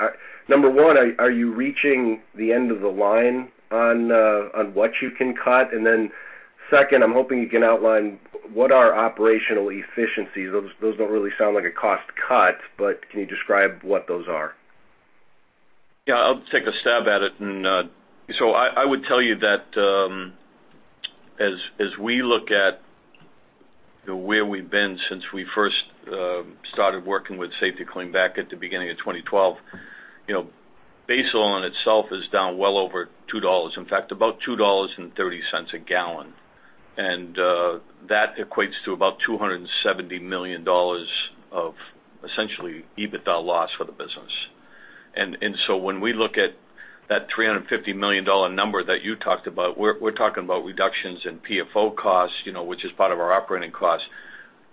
S7: Number one, are you reaching the end of the line on, on what you can cut? And then second, I'm hoping you can outline what are operational efficiencies. Those, those don't really sound like a cost cut, but can you describe what those are?
S3: Yeah, I'll take a stab at it. So I would tell you that, as we look at where we've been since we first started working with Safety-Kleen back at the beginning of 2012, you know, base oil in itself is down well over $2, in fact, about $2.30 a gallon. That equates to about $270 million of essentially EBITDA loss for the business. So when we look at that $350 million dollar number that you talked about, we're talking about reductions in PFO costs, you know, which is part of our operating costs.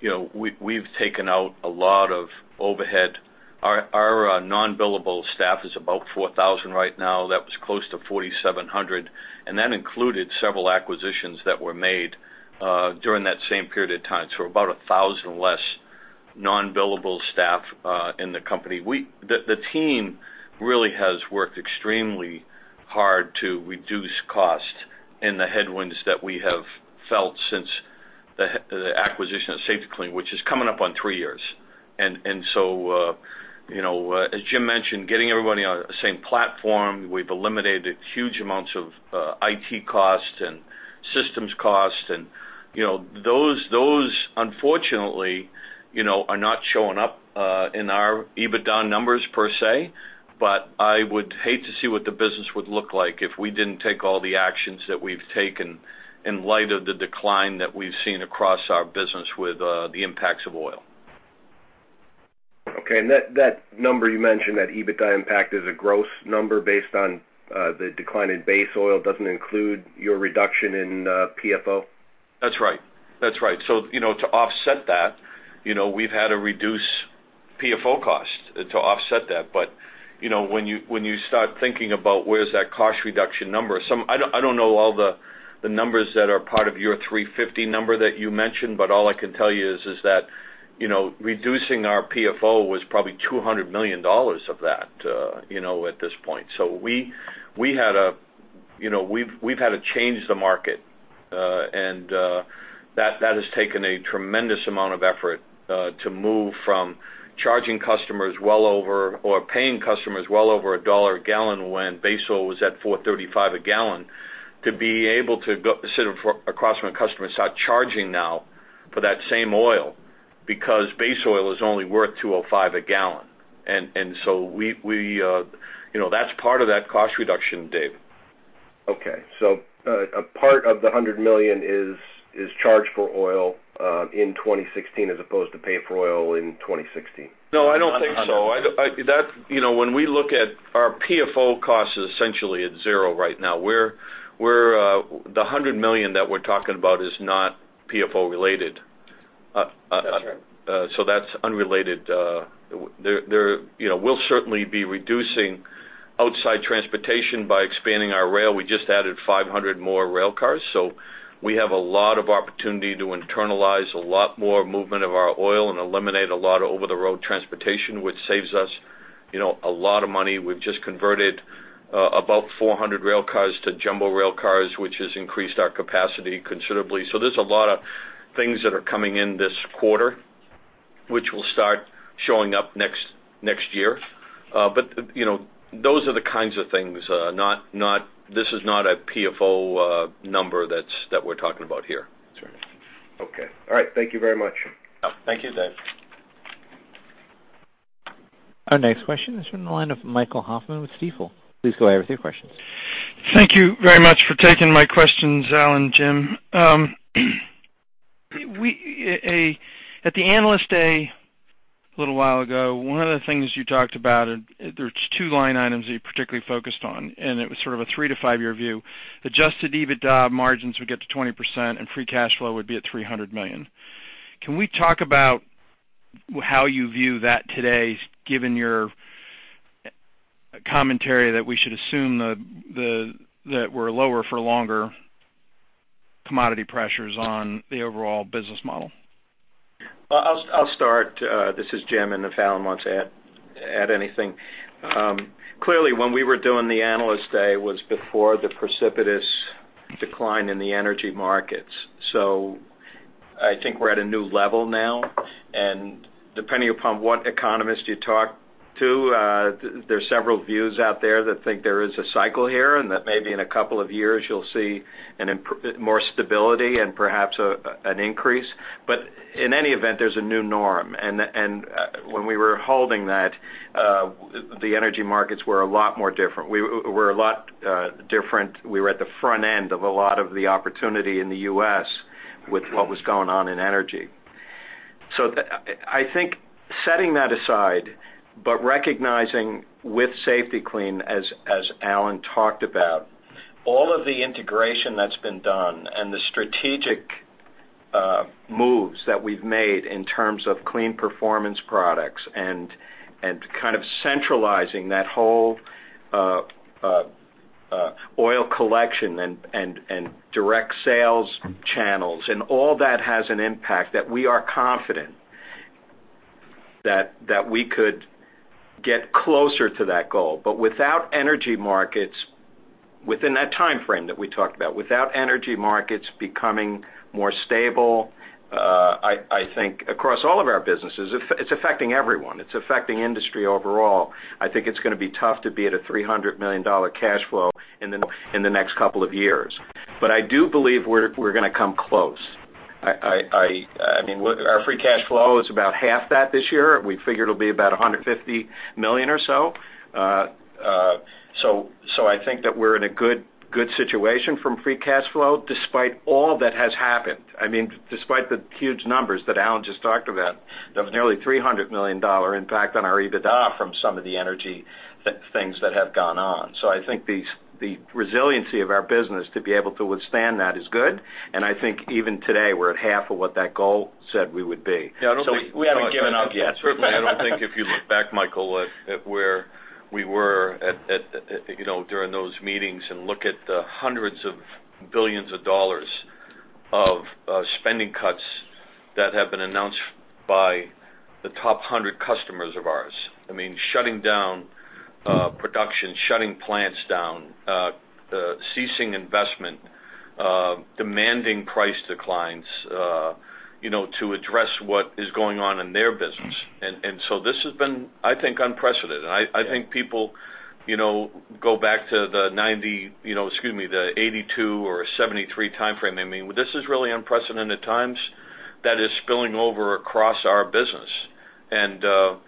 S3: You know, we've taken out a lot of overhead. Our non-billable staff is about 4,000 right now. That was close to 4,700, and that included several acquisitions that were made during that same period of time. So about 1,000 less non-billable staff in the company. The team really has worked extremely hard to reduce costs and the headwinds that we have felt since the acquisition of Safety-Kleen, which is coming up on three years. And so you know, as Jim mentioned, getting everybody on the same platform, we've eliminated huge amounts of IT costs and systems costs, and you know, those unfortunately you know are not showing up in our EBITDA numbers per se, but I would hate to see what the business would look like if we didn't take all the actions that we've taken in light of the decline that we've seen across our business with the impacts of oil.
S7: Okay, and that, that number you mentioned, that EBITDA impact, is a gross number based on, the decline in base oil, doesn't include your reduction in, PFO?
S3: That's right. That's right. So, you know, to offset that, you know, we've had to reduce PFO costs to offset that. But, you know, when you start thinking about where's that cost reduction number, I don't know all the numbers that are part of your $350 million number that you mentioned, but all I can tell you is that, you know, reducing our PFO was probably $200 million of that, you know, at this point. So we had a... You know, we've, we've had to change the market, and, that, that has taken a tremendous amount of effort, to move from charging customers well over or paying customers well over $1 a gallon when base oil was at $4.35 a gallon, to be able to go-- sit across from a customer and start charging now for that same oil, because base oil is only worth $2.05 a gallon. And, and so we, we, you know, that's part of that cost reduction, Dave.
S7: Okay. So, a part of the $100 million is, is charged for oil in 2016 as opposed to pay for oil in 2016?
S3: No, I don't think so.
S7: Hundred-
S3: That's— you know, when we look at our PFO cost is essentially at zero right now. We're the $100 million that we're talking about is not PFO related.
S7: That's right.
S3: So that's unrelated. There, you know, we'll certainly be reducing outside transportation by expanding our rail. We just added 500 more rail cars, so we have a lot of opportunity to internalize a lot more movement of our oil and eliminate a lot of over-the-road transportation, which saves us, you know, a lot of money. We've just converted about 400 rail cars to jumbo rail cars, which has increased our capacity considerably. So there's a lot of things that are coming in this quarter, which will start showing up next year. But, you know, those are the kinds of things, not-- this is not a PFO number that's we're talking about here.
S7: Sure. Okay. All right. Thank you very much.
S3: Thank you, Dave.
S1: Our next question is from the line of Michael Hoffman with Stifel. Please go ahead with your questions.
S8: Thank you very much for taking my questions, Alan and Jim. We at the Analyst Day a little while ago, one of the things you talked about, and there's two line items that you particularly focused on, and it was sort of a three to five-year view. Adjusted EBITDA margins would get to 20%, and free cash flow would be at $300 million. Can we talk about how you view that today, given your commentary that we should assume the, the, that we're lower for longer commodity pressures on the overall business model?
S4: Well, I'll start. This is Jim, and if Alan wants to add anything. Clearly, when we were doing the Analyst Day was before the precipitous decline in the energy markets. So I think we're at a new level now, and depending upon what economist you talk to, there's several views out there that think there is a cycle here, and that maybe in a couple of years you'll see more stability and perhaps an increase. But in any event, there's a new norm, and when we were holding that, the energy markets were a lot more different. We were a lot different. We were at the front end of a lot of the opportunity in the U.S. with what was going on in energy. So I think setting that aside, but recognizing with Safety-Kleen, as Alan talked about, all of the integration that's been done and the strategic moves that we've made in terms of Kleen Performance Products and kind of centralizing that whole oil collection and direct sales channels and all that has an impact, that we are confident that we could get closer to that goal. But without energy markets, within that timeframe that we talked about, without energy markets becoming more stable, I think across all of our businesses, it's affecting everyone. It's affecting industry overall. I think it's gonna be tough to be at a $300 million cash flow in the next couple of years. But I do believe we're gonna come close. I mean, our free cash flow is about half that this year. We figure it'll be about $150 million or so. So I think that we're in a good situation from free cash flow, despite all that has happened. I mean, despite the huge numbers that Alan just talked about, of nearly $300 million impact on our EBITDA from some of the energy things that have gone on. So I think the resiliency of our business to be able to withstand that is good, and I think even today, we're at half of what that goal said we would be.
S3: Yeah, I don't think-
S4: We haven't given up yet.
S3: Certainly, I don't think if you look back, Michael, at where we were at, you know, during those meetings and look at the hundreds of billions of dollars of spending cuts that have been announced by the top 100 customers of ours. I mean, shutting down production, shutting plants down, ceasing investment, demanding price declines, you know, to address what is going on in their business. So this has been, I think, unprecedented. I think people, you know, go back to the 1990s, excuse me, the 1982 or 1973 time frame. I mean, this is really unprecedented times that is spilling over across our business. You know,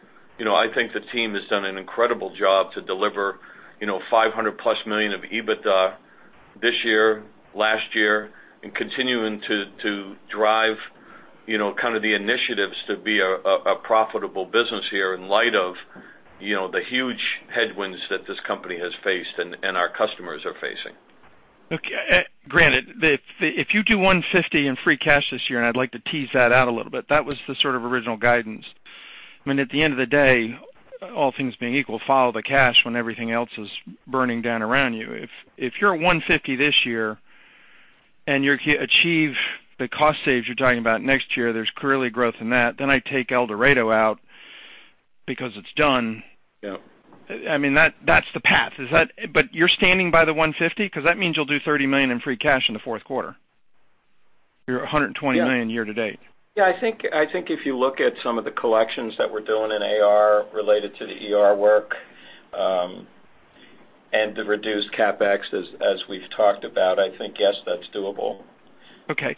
S3: I think the team has done an incredible job to deliver, you know, $500+ million of EBITDA this year, last year, and continuing to drive, you know, kind of the initiatives to be a profitable business here in light of, you know, the huge headwinds that this company has faced and our customers are facing.
S8: Okay, granted, if you do $150 in free cash this year, and I'd like to tease that out a little bit, that was the sort of original guidance. I mean, at the end of the day, all things being equal, follow the cash when everything else is burning down around you. If you're at $150 this year, and you achieve the cost saves you're talking about next year, there's clearly growth in that. Then I take El Dorado out because it's done.
S3: Yep.
S8: I mean, that's the path. Is that... But you're standing by the $150 million? Because that means you'll do $30 million in free cash in the fourth quarter. You're at $120 million year to date.
S4: Yeah, I think, I think if you look at some of the collections that we're doing in AR related to the ER work, and the reduced CapEx as, as we've talked about, I think, yes, that's doable.
S8: Okay.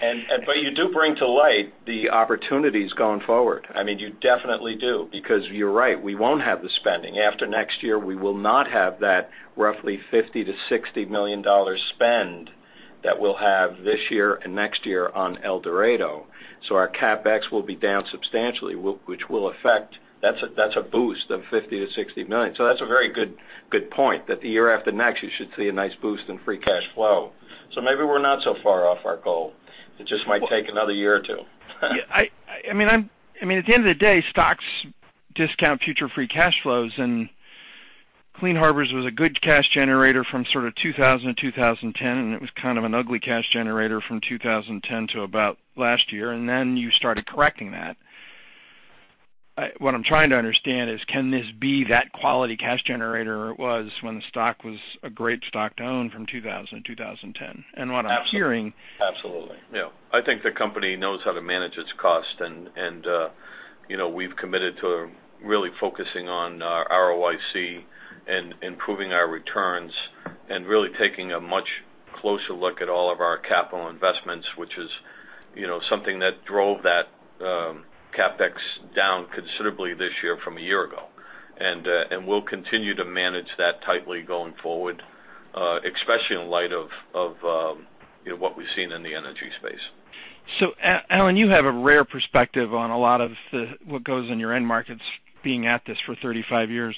S4: You do bring to light the opportunities going forward. I mean, you definitely do, because you're right, we won't have the spending. After next year, we will not have that roughly $50-$60 million spend that we'll have this year and next year on El Dorado. So our CapEx will be down substantially, which will affect... That's a, that's a boost of $50-$60 million. So that's a very good, good point, that the year after next, you should see a nice boost in free cash flow. So maybe we're not so far off our goal. It just might take another year or two.
S8: Yeah, I mean, at the end of the day, stocks discount future free cash flows, and Clean Harbors was a good cash generator from sort of 2000 to 2010, and it was kind of an ugly cash generator from 2010 to about last year, and then you started correcting that. What I'm trying to understand is, can this be that quality cash generator it was when the stock was a great stock to own from 2000 to 2010? And what I'm hearing-
S4: Absolutely.
S3: Absolutely. Yeah. I think the company knows how to manage its cost, and, you know, we've committed to really focusing on our ROIC and improving our returns and really taking a much closer look at all of our capital investments, which is, you know, something that drove that CapEx down considerably this year from a year ago. And we'll continue to manage that tightly going forward, especially in light of, you know, what we've seen in the energy space.
S8: So Alan, you have a rare perspective on a lot of what goes on in your end markets, being at this for 35 years.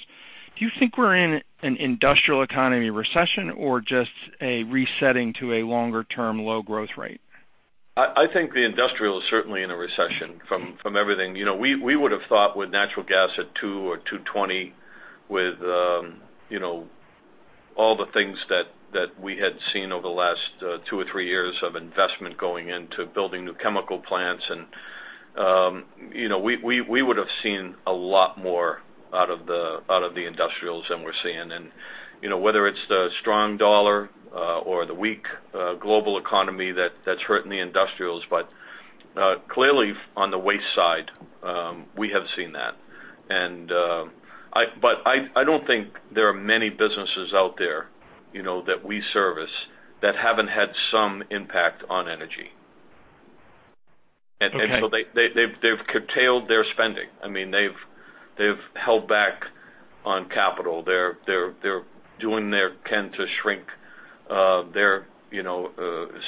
S8: Do you think we're in an industrial economy recession or just a resetting to a longer term low growth rate?
S3: I think the industrial is certainly in a recession from everything. You know, we would've thought with natural gas at $2 or $2.20 with, you know, all the things that we had seen over the last two or three years of investment going into building new chemical plants, and, you know, we would have seen a lot more out of the industrials than we're seeing. And, you know, whether it's the strong dollar or the weak global economy that's hurting the industrials, but clearly, on the waste side, we have seen that. But I don't think there are many businesses out there, you know, that we service that haven't had some impact on energy.
S8: Okay.
S3: So they have curtailed their spending. I mean, they have held back on capital. They are doing everything they can to shrink their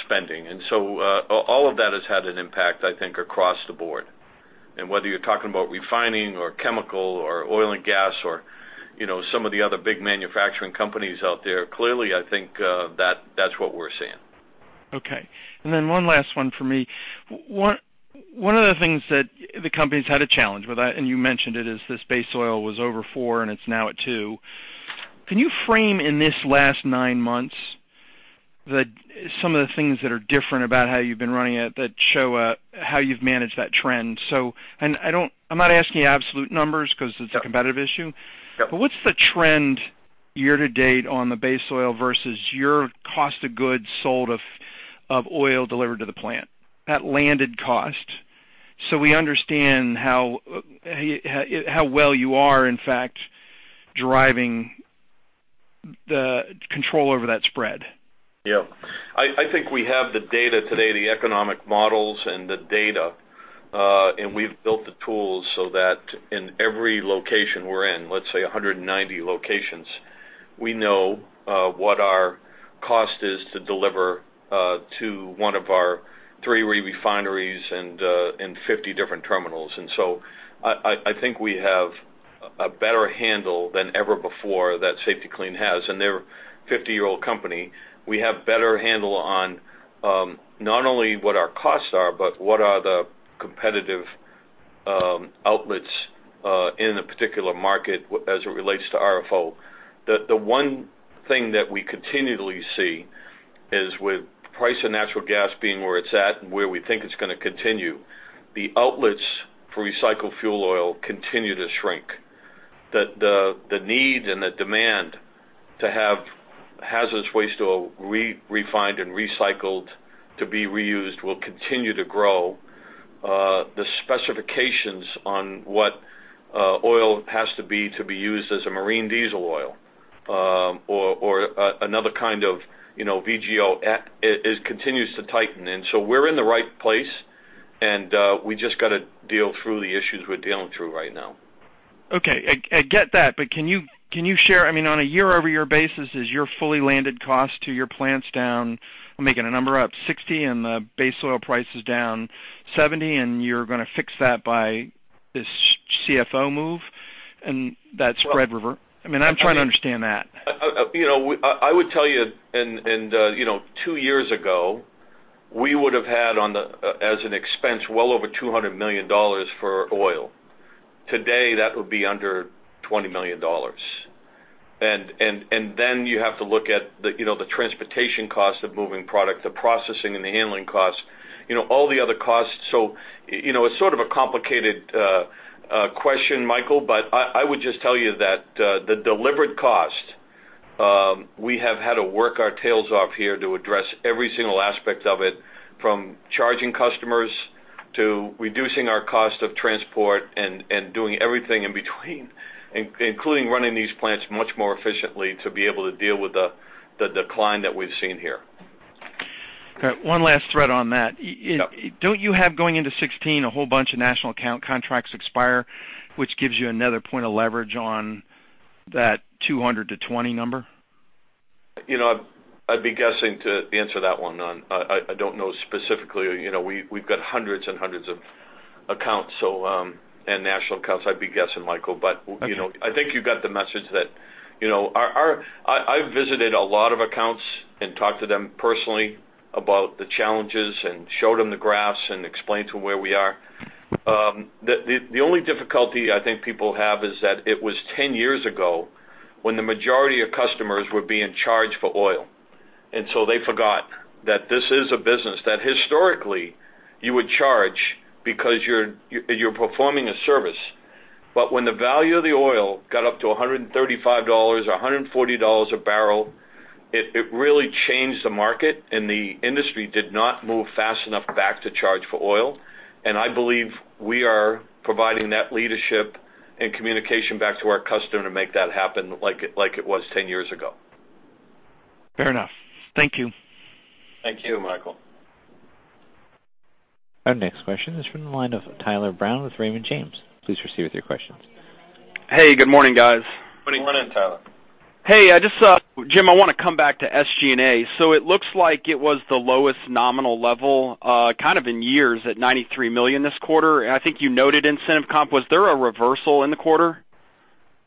S3: spending. So all of that has had an impact, I think, across the board. Whether you're talking about refining or chemical or oil and gas or, you know, some of the other big manufacturing companies out there, clearly, I think, that's what we're seeing.
S8: Okay. And then one last one for me. One of the things that the company's had a challenge with, I - and you mentioned it, is this base oil was over $4, and it's now at $2. Can you frame in this last nine months, the, some of the things that are different about how you've been running it, that show how you've managed that trend? So and I don't - I'm not asking you absolute numbers because it's a competitive issue.
S3: Yep.
S8: What's the trend year to date on the base oil versus your cost of goods sold of oil delivered to the plant, at landed cost, so we understand how well you are, in fact, driving the control over that spread?
S3: Yeah. I think we have the data today, the economic models and the data, and we've built the tools so that in every location we're in, let's say 190 locations, we know what our cost is to deliver to one of our three refineries and in 50 different terminals. And so I think we have a better handle than ever before that Safety-Kleen has, and they're a 50-year-old company. We have better handle on not only what our costs are, but what are the competitive outlets in a particular market as it relates to RFO. The one thing that we continually see is with price of natural gas being where it's at and where we think it's gonna continue, the outlets for recycled fuel oil continue to shrink. The need and the demand to have hazardous waste oil re-refined and recycled to be reused will continue to grow. The specifications on what oil has to be to be used as a marine diesel oil, or another kind of, you know, VGO, it continues to tighten. And so we're in the right place, and we just gotta deal through the issues we're dealing through right now.
S8: Okay, I get that, but can you share, I mean, on a year-over-year basis, is your fully landed cost to your plants down, I'm making a number up, 60, and the base oil price is down 70, and you're gonna fix that by this CFO move, and that spread revert? I mean, I'm trying to understand that.
S3: You know, I would tell you, and you know, two years ago, we would've had on the as an expense, well over $200 million for oil. Today, that would be under $20 million. Then you have to look at the, you know, the transportation cost of moving product, the processing and the handling costs, you know, all the other costs. So, you know, it's sort of a complicated question, Michael, but I would just tell you that the delivered cost, we have had to work our tails off here to address every single aspect of it, from charging customers to reducing our cost of transport and doing everything in between, including running these plants much more efficiently to be able to deal with the decline that we've seen here.
S8: Got one last thread on that.
S3: Yep.
S8: Don't you have, going into 2016, a whole bunch of national account contracts expire, which gives you another point of leverage on that 200-20 number?
S3: You know, I'd be guessing to answer that one. I don't know specifically. You know, we've got hundreds and hundreds of accounts, so, and national accounts, I'd be guessing, Michael.
S8: Okay.
S3: You know, I think you got the message that, you know, I've visited a lot of accounts and talked to them personally about the challenges and showed them the graphs and explained to them where we are. The only difficulty I think people have is that it was 10 years ago when the majority of customers were being charged for oil. And so they forgot that this is a business that historically you would charge because you're performing a service. But when the value of the oil got up to $135 or $140 a barrel, it really changed the market, and the industry did not move fast enough back to charge for oil. I believe we are providing that leadership and communication back to our customer to make that happen like it was 10 years ago.
S8: Fair enough. Thank you.
S3: Thank you, Michael.
S1: Our next question is from the line of Tyler Brown with Raymond James. Please proceed with your questions.
S9: Hey, good morning, guys.
S3: Good morning, Tyler.
S9: Hey, I just, Jim, I wanna come back to SG&A. So it looks like it was the lowest nominal level, kind of in years, at $93 million this quarter. And I think you noted incentive comp. Was there a reversal in the quarter?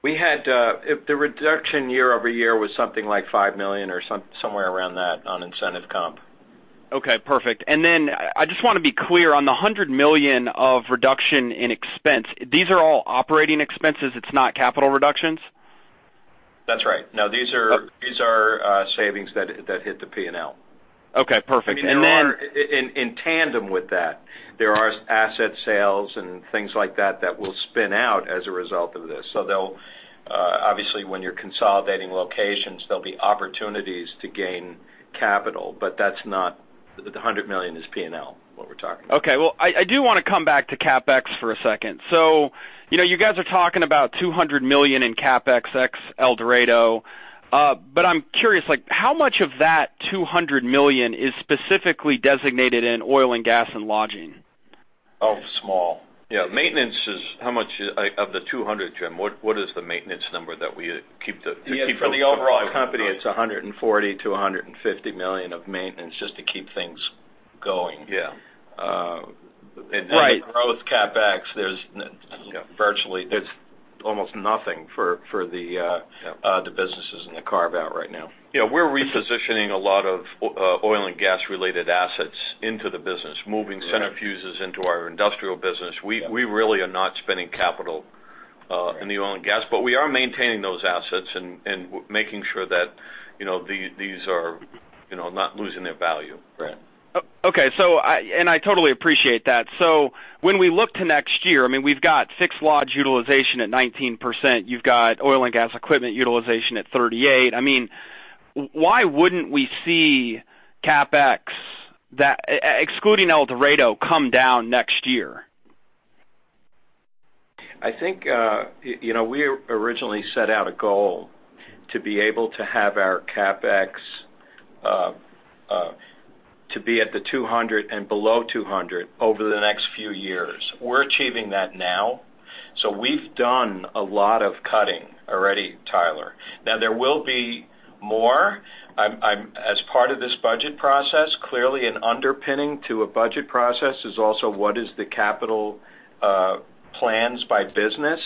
S4: We had, if the reduction year-over-year was something like $5 million or somewhere around that on incentive comp.
S9: Okay, perfect. And then I just wanna be clear, on the $100 million of reduction in expense, these are all operating expenses, it's not capital reductions?
S4: That's right. Now, these are-
S9: Okay...
S4: these are savings that hit the P&L.
S9: Okay, perfect. And then-
S4: I mean, there are in tandem with that, there are asset sales and things like that, that will spin out as a result of this. So they'll obviously, when you're consolidating locations, there'll be opportunities to gain capital, but that's not the $100 million is P&L, what we're talking about.
S9: Okay, well, I do wanna come back to CapEx for a second. So you know, you guys are talking about $200 million in CapEx, ex El Dorado. But I'm curious, like, how much of that $200 million is specifically designated in oil and gas and lodging?
S3: Oh, small. Yeah, maintenance is... How much of the 200, Jim, what, what is the maintenance number that we keep the-
S4: Yeah, for the overall company, it's $140 million-$150 million of maintenance just to keep things going.
S3: Yeah.
S4: And then-
S9: Right...
S4: growth CapEx, there's
S3: Yeah...
S4: virtually, there's almost nothing for the.
S3: Yeah...
S4: the businesses in the carve-out right now.
S3: Yeah, we're repositioning a lot of oil and gas-related assets into the business, moving centrifuges into our industrial business.
S4: Yeah.
S3: We really are not spending capital in the oil and gas, but we are maintaining those assets and making sure that, you know, these are, you know, not losing their value.
S4: Right.
S9: Oh, okay. So, I totally appreciate that. So when we look to next year, I mean, we've got incinerator utilization at 19%. You've got oil and gas equipment utilization at 38. I mean, why wouldn't we see CapEx, excluding El Dorado, come down next year?
S4: I think, you know, we originally set out a goal to be able to have our CapEx to be at the $200 and below $200 over the next few years. We're achieving that now, so we've done a lot of cutting already, Tyler. Now, there will be more. I'm as part of this budget process, clearly an underpinning to a budget process is also what is the capital plans by business.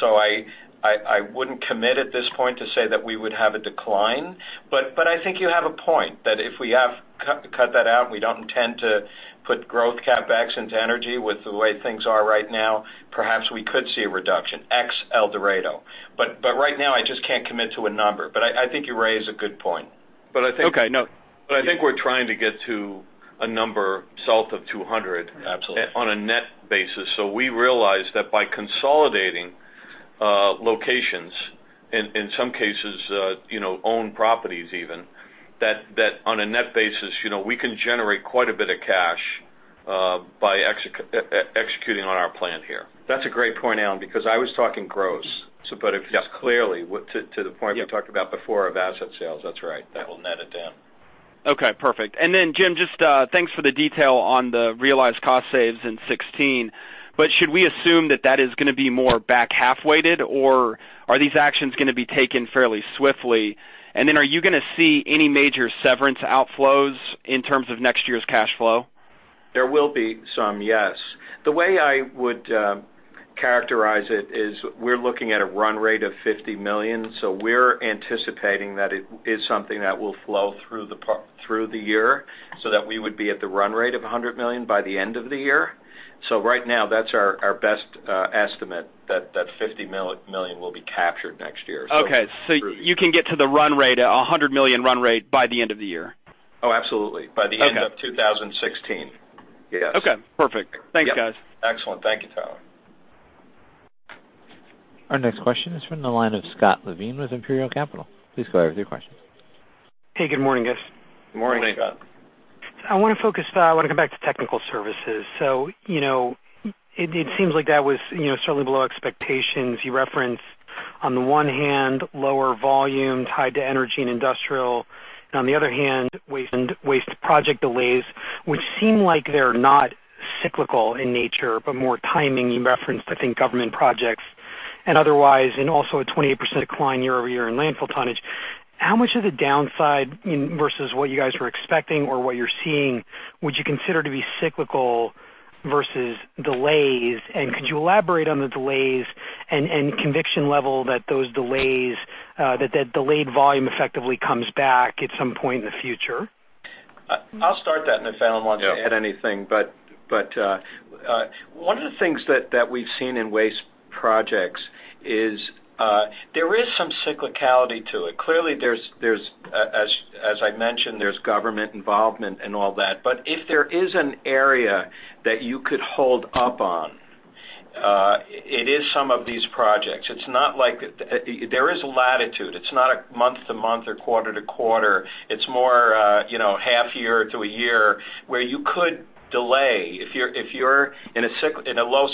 S4: So I wouldn't commit at this point to say that we would have a decline, but I think you have a point that if we have cut that out, we don't intend to put growth CapEx into energy with the way things are right now, perhaps we could see a reduction, ex El Dorado. But right now, I just can't commit to a number, but I think you raise a good point.
S3: But I think-
S9: Okay, no.
S3: But I think we're trying to get to a number south of 200-
S4: Absolutely.
S3: On a net basis. So we realize that by consolidating locations, in some cases, you know, owned properties even, that on a net basis, you know, we can generate quite a bit of cash by executing on our plan here.
S4: That's a great point, Alan, because I was talking gross. So but if it's clearly the point we talked about before of asset sales, that's right. That will net it down.
S9: Okay, perfect. And then, Jim, just thanks for the detail on the realized cost saves in 2016. But should we assume that that is gonna be more back half-weighted, or are these actions gonna be taken fairly swiftly? And then are you gonna see any major severance outflows in terms of next year's cash flow?
S4: There will be some, yes. The way I would characterize it is we're looking at a run rate of $50 million, so we're anticipating that it is something that will flow through the year, so that we would be at the run rate of $100 million by the end of the year. So right now, that's our best estimate, that $50 million will be captured next year, so-
S9: Okay, so you can get to the run rate, $100 million run rate by the end of the year?
S4: Oh, absolutely.
S9: Okay.
S4: By the end of 2016. Yes.
S9: Okay, perfect.
S4: Yep.
S9: Thanks, guys.
S4: Excellent. Thank you, Tyler.
S1: Our next question is from the line of Scott Levine with Imperial Capital. Please go ahead with your question.
S10: Hey, good morning, guys.
S4: Good morning, Scott.
S3: Morning.
S10: I wanna focus, I wanna come back to technical services. So, you know, it, it seems like that was, you know, certainly below expectations. You referenced, on the one hand, lower volume tied to energy and industrial, and on the other hand, waste and waste project delays, which seem like they're not cyclical in nature, but more timing. You referenced, I think, government projects and otherwise, and also a 28% decline year-over-year in landfill tonnage. How much of the downside in, versus what you guys were expecting or what you're seeing, would you consider to be cyclical versus delays? And could you elaborate on the delays and conviction level that those delays, that delayed volume effectively comes back at some point in the future?
S4: I'll start that, and if Alan wants to add anything.
S3: Yeah.
S4: But one of the things that we've seen in waste projects is there is some cyclicality to it. Clearly, as I mentioned, there's government involvement and all that. But if there is an area that you could hold up on, it is some of these projects. It's not like there is a latitude. It's not a month to month or quarter to quarter. It's more, you know, half year to a year, where you could delay. If you're in a low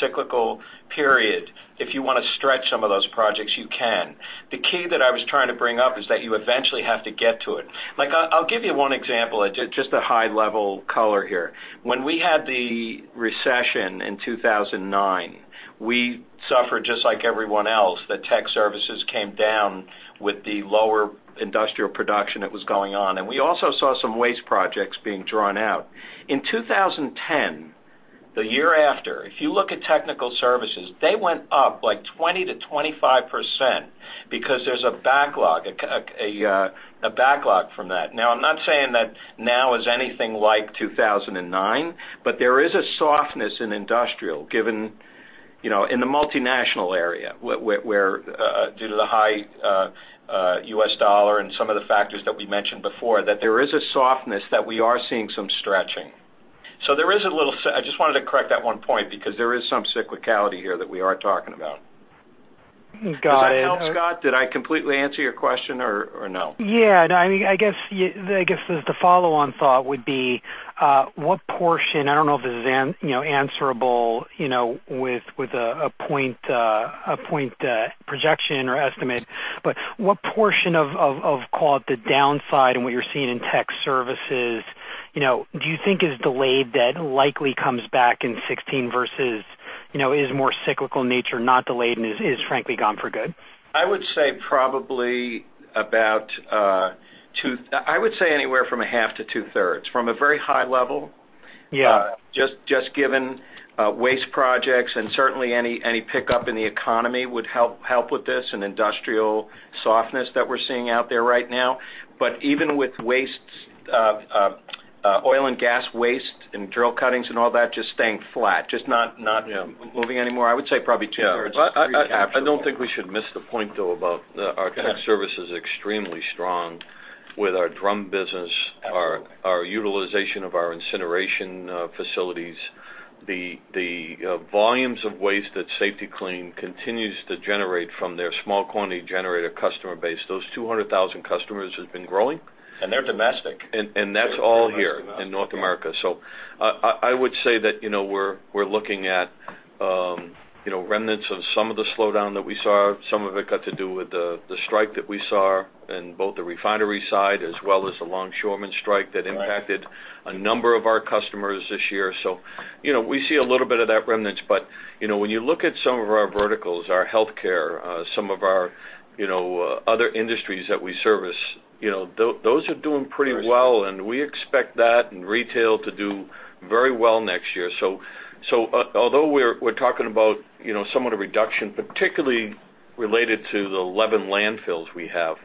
S4: cyclical period, if you wanna stretch some of those projects, you can. The key that I was trying to bring up is that you eventually have to get to it. Like, I'll give you one example, just a high-level color here. When we had the recession in 2009, we suffered, just like everyone else, the technical services came down with the lower industrial production that was going on, and we also saw some waste projects being drawn out. In 2010, the year after, if you look at technical services, they went up, like, 20%-25% because there's a backlog, a backlog from that. Now, I'm not saying that now is anything like 2009, but there is a softness in industrial, given, you know, in the multinational area, where due to the high US dollar and some of the factors that we mentioned before, that there is a softness, that we are seeing some stretching. So there is a little. I just wanted to correct that one point, because there is some cyclicality here that we are talking about.
S10: Got it.
S4: Does that help, Scott? Did I completely answer your question or, or no?
S10: Yeah. No, I mean, I guess, I guess, the follow-on thought would be, what portion, I don't know if this is an, you know, answerable, you know, with a point projection or estimate, but what portion of call it, the downside and what you're seeing in tech services, you know, do you think is delayed that likely comes back in 2016 versus, you know, is more cyclical nature, not delayed, and is frankly gone for good?
S4: I would say anywhere from a half to two-thirds, from a very high level.
S10: Yeah.
S4: Just given waste projects, and certainly any pickup in the economy would help with this, and industrial softness that we're seeing out there right now. But even with waste, oil and gas waste and drill cuttings and all that, just staying flat, just not-
S3: Yeah...
S4: moving anymore, I would say probably two-thirds.
S3: Yeah. I don't think we should miss the point, though, about our tech service is extremely strong with our drum business-
S4: Absolutely...
S3: our utilization of our incineration facilities, the volumes of waste that Safety-Kleen continues to generate from their small quantity generator customer base. Those 200,000 customers has been growing.
S4: They're domestic.
S3: And that's all here in North America. So I would say that, you know, we're looking at, you know, remnants of some of the slowdown that we saw. Some of it got to do with the strike that we saw in both the refinery side, as well as the longshoreman strike that impacted-
S10: Right.
S3: -a number of our customers this year. So, you know, we see a little bit of that remnants. But, you know, when you look at some of our verticals, our healthcare, some of our, you know, other industries that we service, you know, those are doing pretty well.
S10: Very sure.
S3: We expect that and retail to do very well next year. So, although we're talking about, you know, somewhat a reduction, particularly related to the 11 landfills we have,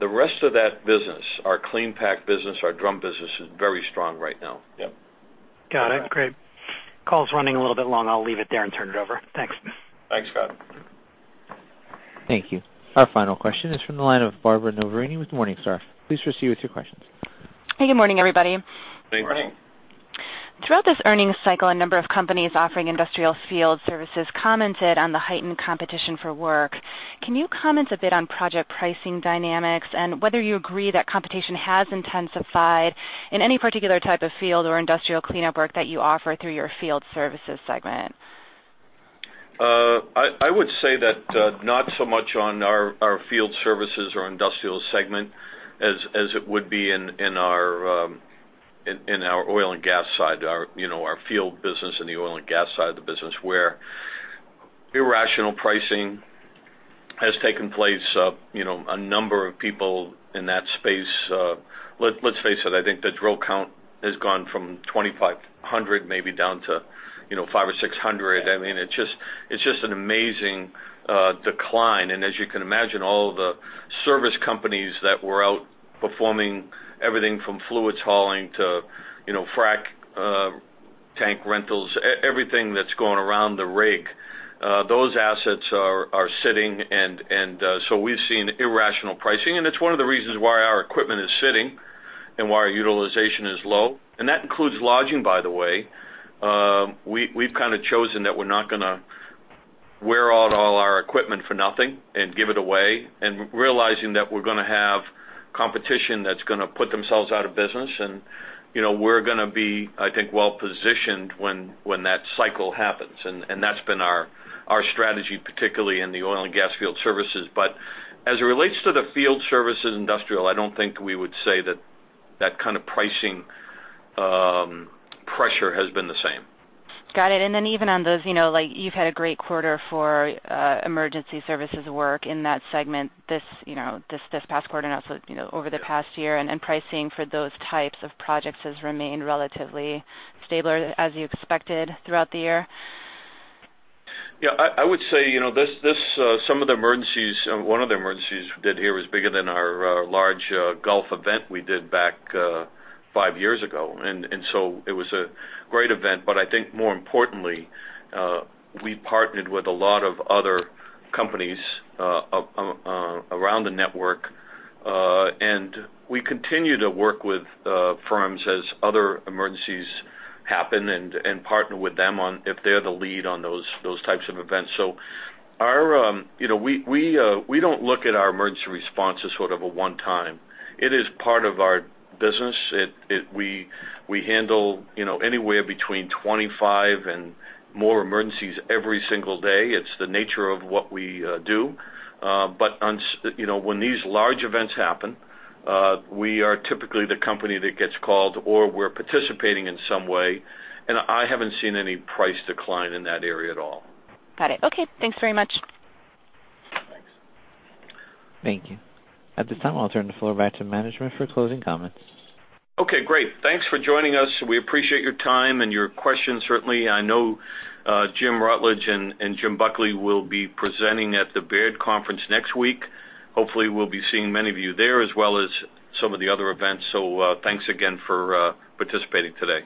S3: the rest of that business, our CleanPack business, our drum business, is very strong right now. Yep.
S10: Got it. Great. Call's running a little bit long. I'll leave it there and turn it over. Thanks.
S3: Thanks, Scott.
S1: Thank you. Our final question is from the line of Barbara Noverini with Morningstar. Please proceed with your questions.
S11: Hey, good morning, everybody.
S3: Good morning.
S11: Throughout this earnings cycle, a number of companies offering industrial field services commented on the heightened competition for work. Can you comment a bit on project pricing dynamics, and whether you agree that competition has intensified in any particular type of field or industrial cleanup work that you offer through your field services segment?
S3: I would say that not so much on our field services or industrial segment as it would be in our oil and gas side, you know, our field business and the oil and gas side of the business, where irrational pricing has taken place. You know, a number of people in that space. Let's face it, I think the drill count has gone from 2,500, maybe down to, you know, 500 or 600. I mean, it's just an amazing decline. And as you can imagine, all the service companies that were out performing everything from fluids hauling to, you know, frac tank rentals, everything that's going around the rig, those assets are sitting, and so we've seen irrational pricing. It's one of the reasons why our equipment is sitting and why our utilization is low, and that includes lodging, by the way. We've kind of chosen that we're not gonna wear out all our equipment for nothing and give it away, and realizing that we're gonna have competition that's gonna put themselves out of business. You know, we're gonna be, I think, well positioned when that cycle happens, and that's been our strategy, particularly in the oil and gas field services. But as it relates to the field services industrial, I don't think we would say that that kind of pricing pressure has been the same.
S11: Got it. And then, even on those, you know, like you've had a great quarter for emergency services work in that segment, this past quarter, and also, you know, over the past year.
S3: Yeah.
S11: And pricing for those types of projects has remained relatively stable or as you expected throughout the year?
S3: Yeah, I would say, you know, some of the emergencies, one of the emergencies we did here was bigger than our large Gulf event we did back five years ago. And so it was a great event. But I think more importantly, we partnered with a lot of other companies around the network. And we continue to work with firms as other emergencies happen, and partner with them on if they're the lead on those types of events. So our... You know, we don't look at our emergency response as sort of a one-time. It is part of our business. We handle, you know, anywhere between 25 and more emergencies every single day. It's the nature of what we do. But on, you know, when these large events happen, we are typically the company that gets called, or we're participating in some way, and I haven't seen any price decline in that area at all.
S11: Got it. Okay, thanks very much.
S3: Thanks.
S1: Thank you. At this time, I'll turn the floor back to management for closing comments.
S3: Okay, great. Thanks for joining us. We appreciate your time and your questions, certainly. I know, Jim Rutledge and Jim Buckley will be presenting at the Baird Conference next week. Hopefully, we'll be seeing many of you there, as well as some of the other events. So, thanks again for participating today.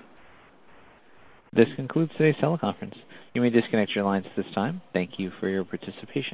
S1: This concludes today's teleconference. You may disconnect your lines at this time. Thank you for your participation.